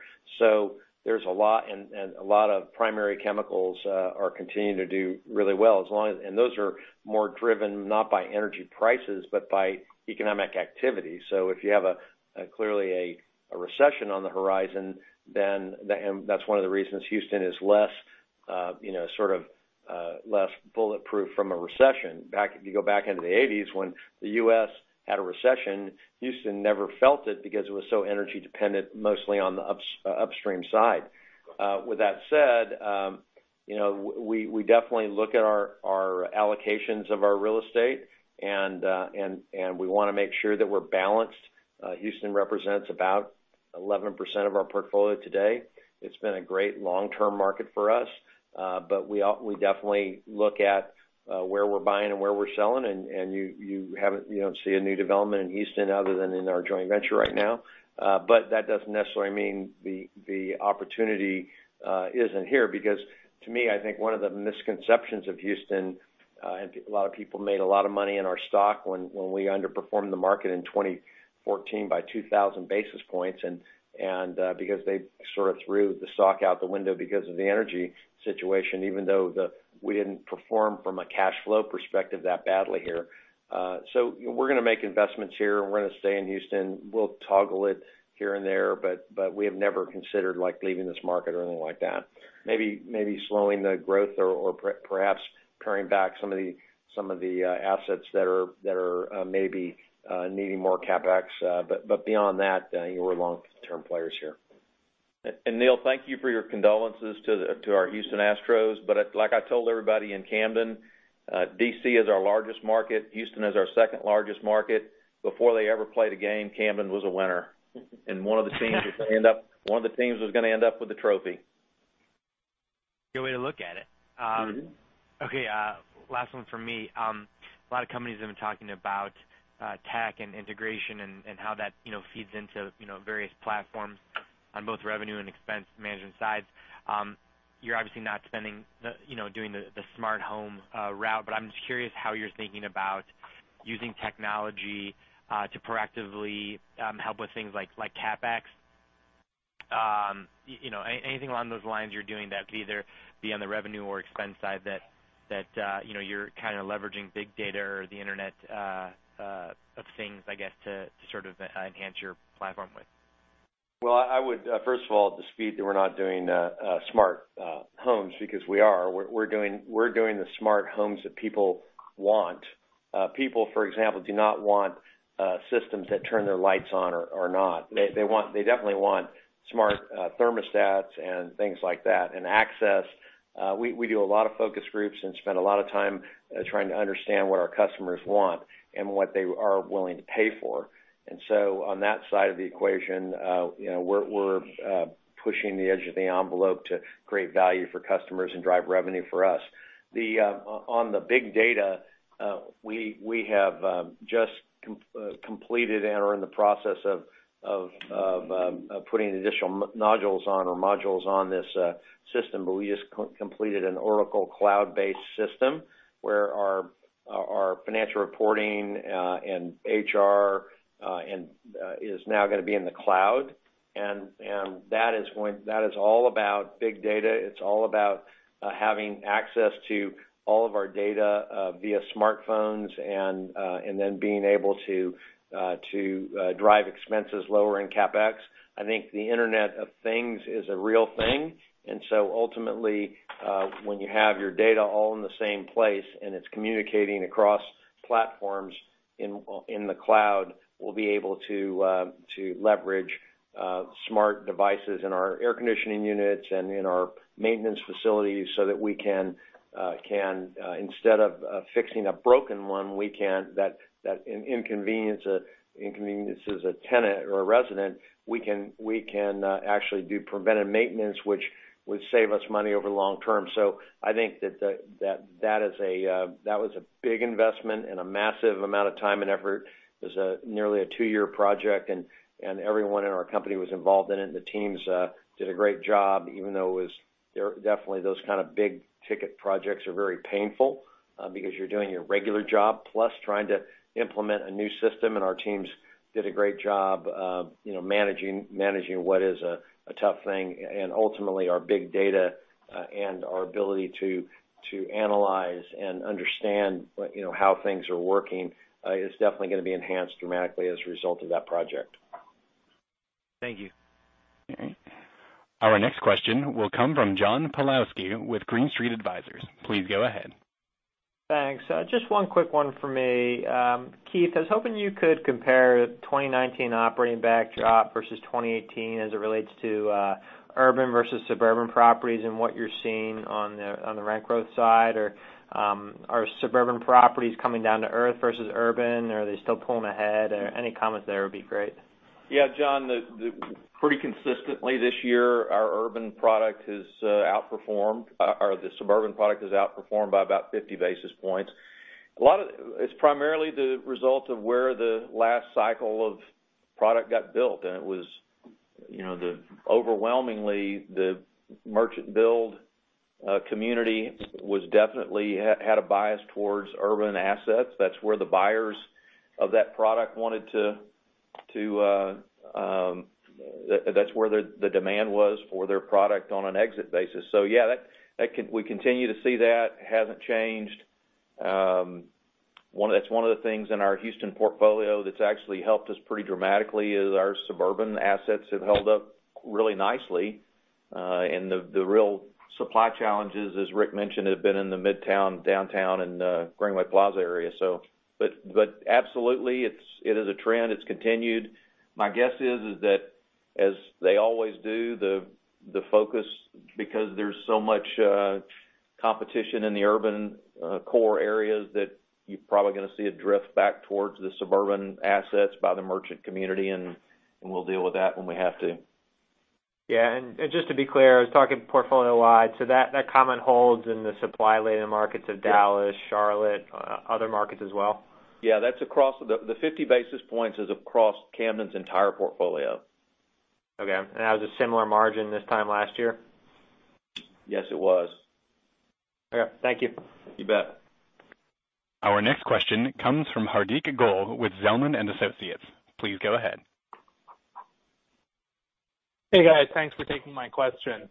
A lot of primary chemicals are continuing to do really well. Those are more driven not by energy prices, but by economic activity. If you have clearly a recession on the horizon, that's one of the reasons Houston is less bulletproof from a recession. If you go back into the '80s when the U.S. had a recession, Houston never felt it because it was so energy-dependent, mostly on the upstream side. With that said, we definitely look at our allocations of our real estate, and we want to make sure that we're balanced. Houston represents about 11% of our portfolio today. It's been a great long-term market for us. We definitely look at where we're buying and where we're selling, and you don't see a new development in Houston other than in our joint venture right now. That doesn't necessarily mean the opportunity isn't here, because to me, I think one of the misconceptions of Houston, and a lot of people made a lot of money in our stock when we underperformed the market in 2014 by 2,000 basis points, and because they sort of threw the stock out the window because of the energy situation, even though we didn't perform from a cash flow perspective that badly here. We're going to make investments here. We're going to stay in Houston. We'll toggle it here and there, we have never considered leaving this market or anything like that. Maybe slowing the growth or perhaps paring back some of the assets that are maybe needing more CapEx. Beyond that, we're long-term players here. Neil, thank you for your condolences to our Houston Astros. Like I told everybody in Camden, D.C. is our largest market. Houston is our second-largest market. Before they ever played a game, Camden was a winner. One of the teams was going to end up with the trophy. Good way to look at it. Okay, last one from me. A lot of companies have been talking about tech and integration and how that feeds into various platforms on both revenue and expense management sides. You're obviously not doing the smart home route, but I'm just curious how you're thinking about using technology to proactively help with things like CapEx. Anything along those lines you're doing that could either be on the revenue or expense side that you're kind of leveraging big data or the internet of things, I guess, to sort of enhance your platform with? Well, I would first of all dispute that we're not doing smart homes because we are. We're doing the smart homes that people want. People, for example, do not want systems that turn their lights on or not. They definitely want smart thermostats and things like that, and access. We do a lot of focus groups and spend a lot of time trying to understand what our customers want and what they are willing to pay for. On that side of the equation, we're pushing the edge of the envelope to create value for customers and drive revenue for us. On the big data, we have just completed and are in the process of putting additional nodules on, or modules on this system, but we just completed an Oracle cloud-based system, where our financial reporting and HR is now going to be in the cloud. That is all about big data. It's all about having access to all of our data via smartphones and then being able to drive expenses lower in CapEx. I think the Internet of Things is a real thing. Ultimately, when you have your data all in the same place, and it's communicating across platforms in the cloud, we'll be able to leverage smart devices in our air conditioning units and in our maintenance facilities so that we can, instead of fixing a broken one, that inconveniences a tenant or a resident, we can actually do preventative maintenance, which would save us money over the long term. I think that was a big investment and a massive amount of time and effort. It was nearly a two-year project, and everyone in our company was involved in it, and the teams did a great job, even though definitely those kind of big-ticket projects are very painful because you're doing your regular job, plus trying to implement a new system, and our teams did a great job of managing what is a tough thing. Ultimately, our big data and our ability to analyze and understand how things are working is definitely going to be enhanced dramatically as a result of that project. Thank you. All right. Our next question will come from John Pawlowski with Green Street Advisors. Please go ahead. Thanks. Just one quick one for me. Keith, I was hoping you could compare 2019 operating backdrop versus 2018 as it relates to urban versus suburban properties and what you're seeing on the rent growth side, or are suburban properties coming down to earth versus urban? Are they still pulling ahead? Any comment there would be great. Yeah, John, pretty consistently this year, our suburban product has outperformed by about 50 basis points. Overwhelmingly, the merchant build community definitely had a bias towards urban assets. That's where the demand was for their product on an exit basis. Yeah, we continue to see that, hasn't changed. That's one of the things in our Houston portfolio that's actually helped us pretty dramatically, is our suburban assets have held up really nicely. The real supply challenges, as Ric mentioned, have been in the Midtown, Downtown, and Greenway Plaza area. Absolutely, it is a trend. It's continued. My guess is that, as they always do, the focus, because there's so much competition in the urban core areas, that you're probably going to see a drift back towards the suburban assets by the merchant community, and we'll deal with that when we have to. Yeah. Just to be clear, I was talking portfolio-wide, so that comment holds in the supply-laden markets of Dallas. Yeah Charlotte, other markets as well? Yeah. The 50 basis points is across Camden's entire portfolio. Okay. That was a similar margin this time last year? Yes, it was. Okay. Thank you. You bet. Our next question comes from Hardik Goel with Zelman & Associates. Please go ahead. Hey, guys. Thanks for taking my question.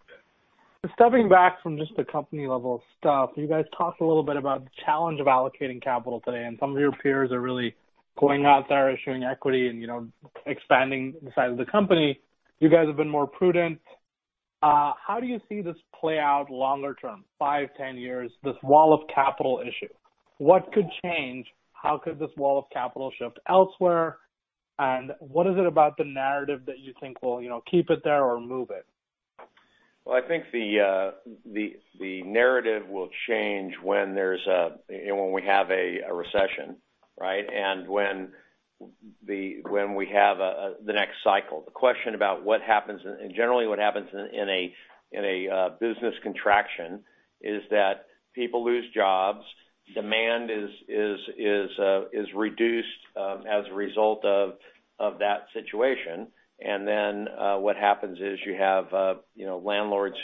Stepping back from just the company-level stuff, you guys talked a little bit about the challenge of allocating capital today. Some of your peers are really going out there issuing equity and expanding the size of the company. You guys have been more prudent. How do you see this play out longer term, five, 10 years, this wall of capital issue? What could change? How could this wall of capital shift elsewhere? What is it about the narrative that you think will keep it there or move it? Well, I think the narrative will change when we have a recession, right? When we have the next cycle. The question about what happens, and generally what happens in a business contraction, is that people lose jobs, demand is reduced as a result of that situation, and then what happens is you have landlords,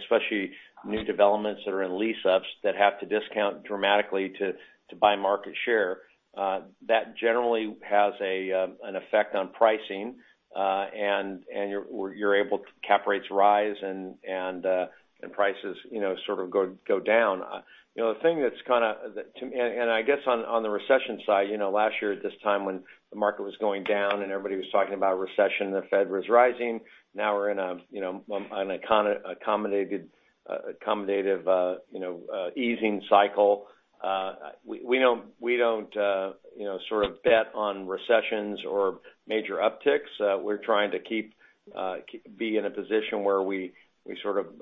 especially new developments that are in lease-ups, that have to discount dramatically to buy market share. That generally has an effect on pricing, and cap rates rise and prices sort of go down. I guess on the recession side, last year at this time when the market was going down and everybody was talking about recession, the Fed was rising. Now we're in an accommodative easing cycle. We don't sort of bet on recessions or major upticks. We're trying to be in a position where we sort of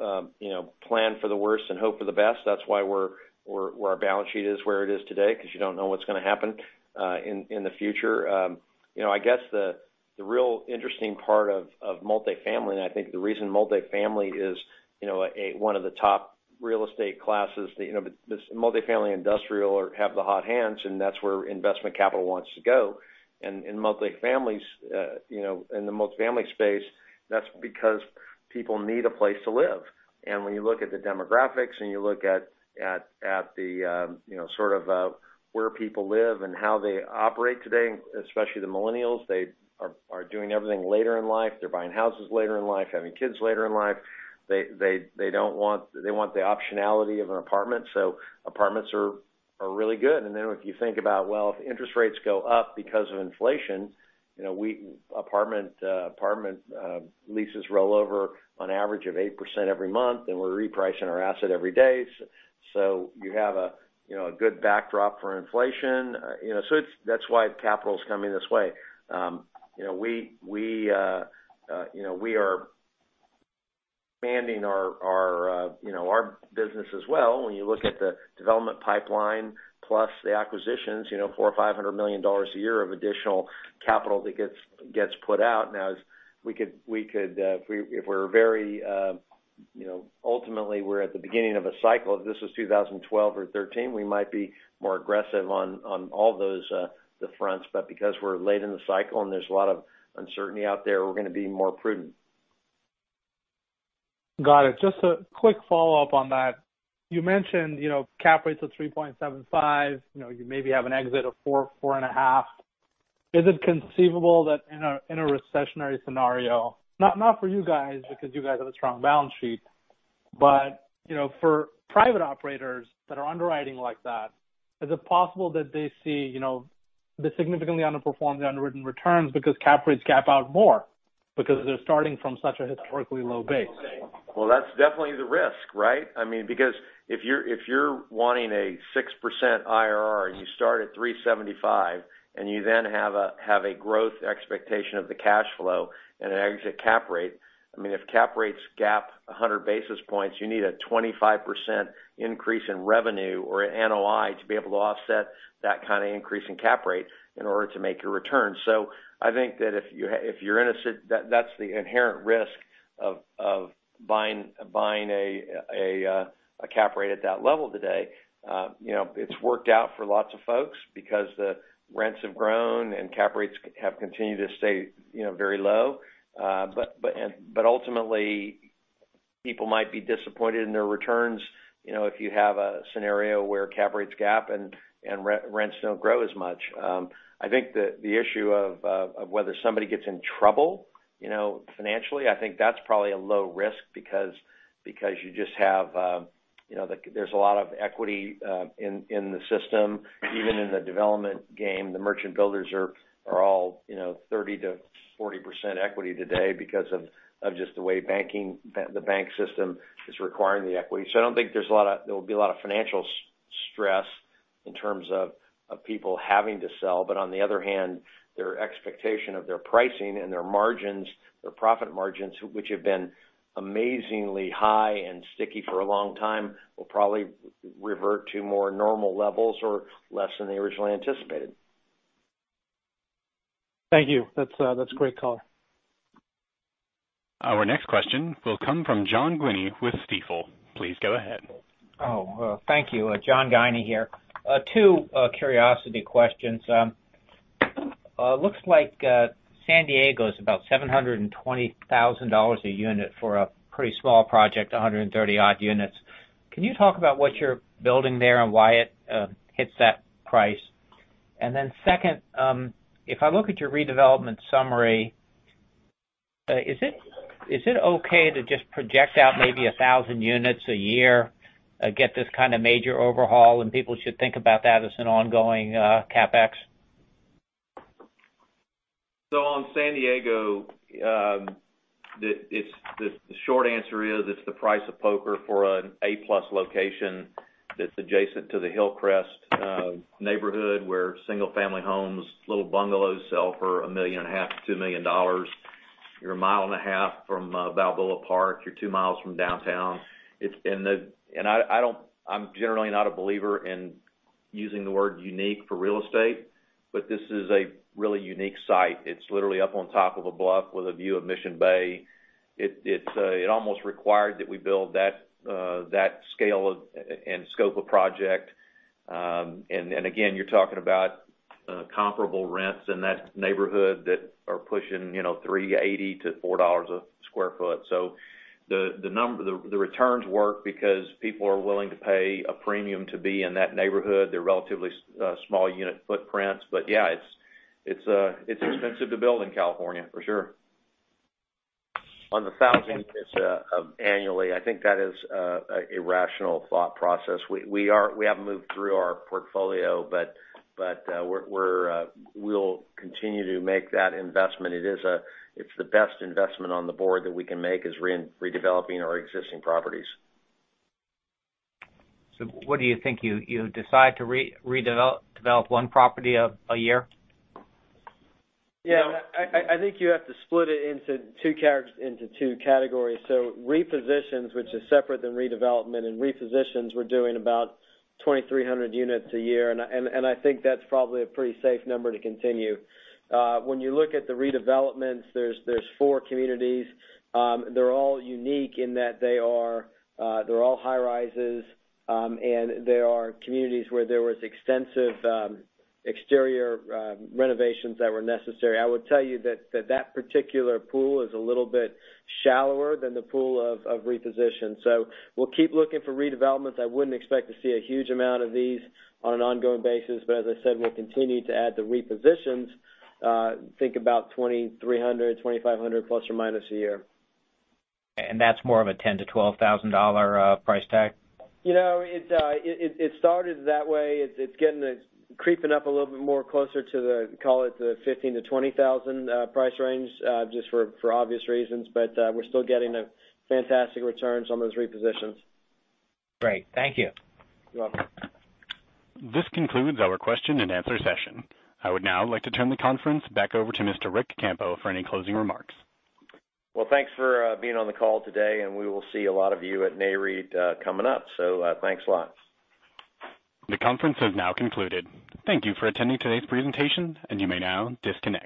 plan for the worst and hope for the best. That's why our balance sheet is where it is today, because you don't know what's going to happen in the future. I guess the real interesting part of multi-family, I think the reason multi-family is one of the top real estate classes. This multi-family industrial have the hot hands, and that's where investment capital wants to go. In the multi-family space, that's because people need a place to live. When you look at the demographics and you look at sort of where people live and how they operate today, especially the millennials, they are doing everything later in life. They're buying houses later in life, having kids later in life. They want the optionality of an apartment, so apartments are really good. If you think about, well, if interest rates go up because of inflation, apartment leases roll over on average of 8% every month, and we're repricing our asset every day. You have a good backdrop for inflation. That's why capital's coming this way. We are expanding our business as well. When you look at the development pipeline plus the acquisitions, $400 million or $500 million a year of additional capital that gets put out now. Ultimately, we're at the beginning of a cycle. If this was 2012 or 2013, we might be more aggressive on all those fronts. Because we're late in the cycle and there's a lot of uncertainty out there, we're going to be more prudent. Got it. Just a quick follow-up on that. You mentioned cap rates of 3.75%. You maybe have an exit of 4.0%, 4.5%. Is it conceivable that in a recessionary scenario, not for you guys, because you guys have a strong balance sheet, but for private operators that are underwriting like that, is it possible that they see the significantly underperformed the underwritten returns because cap rates gap out more because they're starting from such a historically low base? Well, that's definitely the risk, right? If you're wanting a 6% IRR and you start at 375 and you then have a growth expectation of the cash flow and an exit cap rate, if cap rates gap 100 basis points, you need a 25% increase in revenue or an NOI to be able to offset that kind of increase in cap rate in order to make your return. I think that that's the inherent risk of buying a cap rate at that level today. It's worked out for lots of folks because the rents have grown and cap rates have continued to stay very low. Ultimately, people might be disappointed in their returns if you have a scenario where cap rates gap and rents don't grow as much. I think the issue of whether somebody gets in trouble financially, I think that's probably a low risk because there's a lot of equity in the system. Even in the development game, the merchant builders are all 30%-40% equity today because of just the way the bank system is requiring the equity. I don't think there will be a lot of financial stress in terms of people having to sell. On the other hand, their expectation of their pricing and their margins, their profit margins, which have been amazingly high and sticky for a long time, will probably revert to more normal levels or less than they originally anticipated. Thank you. That's a great call. Our next question will come from John Guinee with Stifel. Please go ahead. Oh, thank you. John Guinee here. Two curiosity questions. Looks like San Diego is about $720,000 a unit for a pretty small project, 130-odd units. Can you talk about what you're building there and why it hits that price? Second, if I look at your redevelopment summary, is it okay to just project out maybe 1,000 units a year, get this kind of major overhaul, and people should think about that as an ongoing CapEx? On San Diego, the short answer is it's the price of poker for an A-plus location that's adjacent to the Hillcrest neighborhood, where single-family homes, little bungalows sell for a million and a half to $2 million. You're one and a half miles from Balboa Park. You're two miles from downtown. I'm generally not a believer in using the word unique for real estate, but this is a really unique site. It's literally up on top of a bluff with a view of Mission Bay. It almost required that we build that scale and scope of project. Again, you're talking about comparable rents in that neighborhood that are pushing $3.80 to $4 a square foot. The returns work because people are willing to pay a premium to be in that neighborhood. They're relatively small unit footprints. Yeah, it's expensive to build in California, for sure. On the $1,000 annually, I think that is a rational thought process. We haven't moved through our portfolio, but we'll continue to make that investment. It's the best investment on the board that we can make is redeveloping our existing properties. What do you think, you decide to redevelop one property a year? I think you have to split it into two categories. Repositions, which is separate than redevelopment, and repositions, we're doing about 2,300 units a year, and I think that's probably a pretty safe number to continue. When you look at the redevelopments, there's four communities. They're all unique in that they're all high-rises, and they are communities where there was extensive exterior renovations that were necessary. I would tell you that that particular pool is a little bit shallower than the pool of reposition. We'll keep looking for redevelopments. I wouldn't expect to see a huge amount of these on an ongoing basis, but as I said, we'll continue to add the repositions. Think about 2,300, 2,500 plus or minus a year. That's more of a $10,000-$12,000 price tag? It started that way. It's creeping up a little bit more closer to the, call it, the $15,000-$20,000 price range, just for obvious reasons, but we're still getting fantastic returns on those repositions. Great. Thank you. You're welcome. This concludes our question and answer session. I would now like to turn the conference back over to Mr. Ric Campo for any closing remarks. Well, thanks for being on the call today, and we will see a lot of you at NAREIT coming up. Thanks a lot. The conference has now concluded. Thank you for attending today's presentation, and you may now disconnect.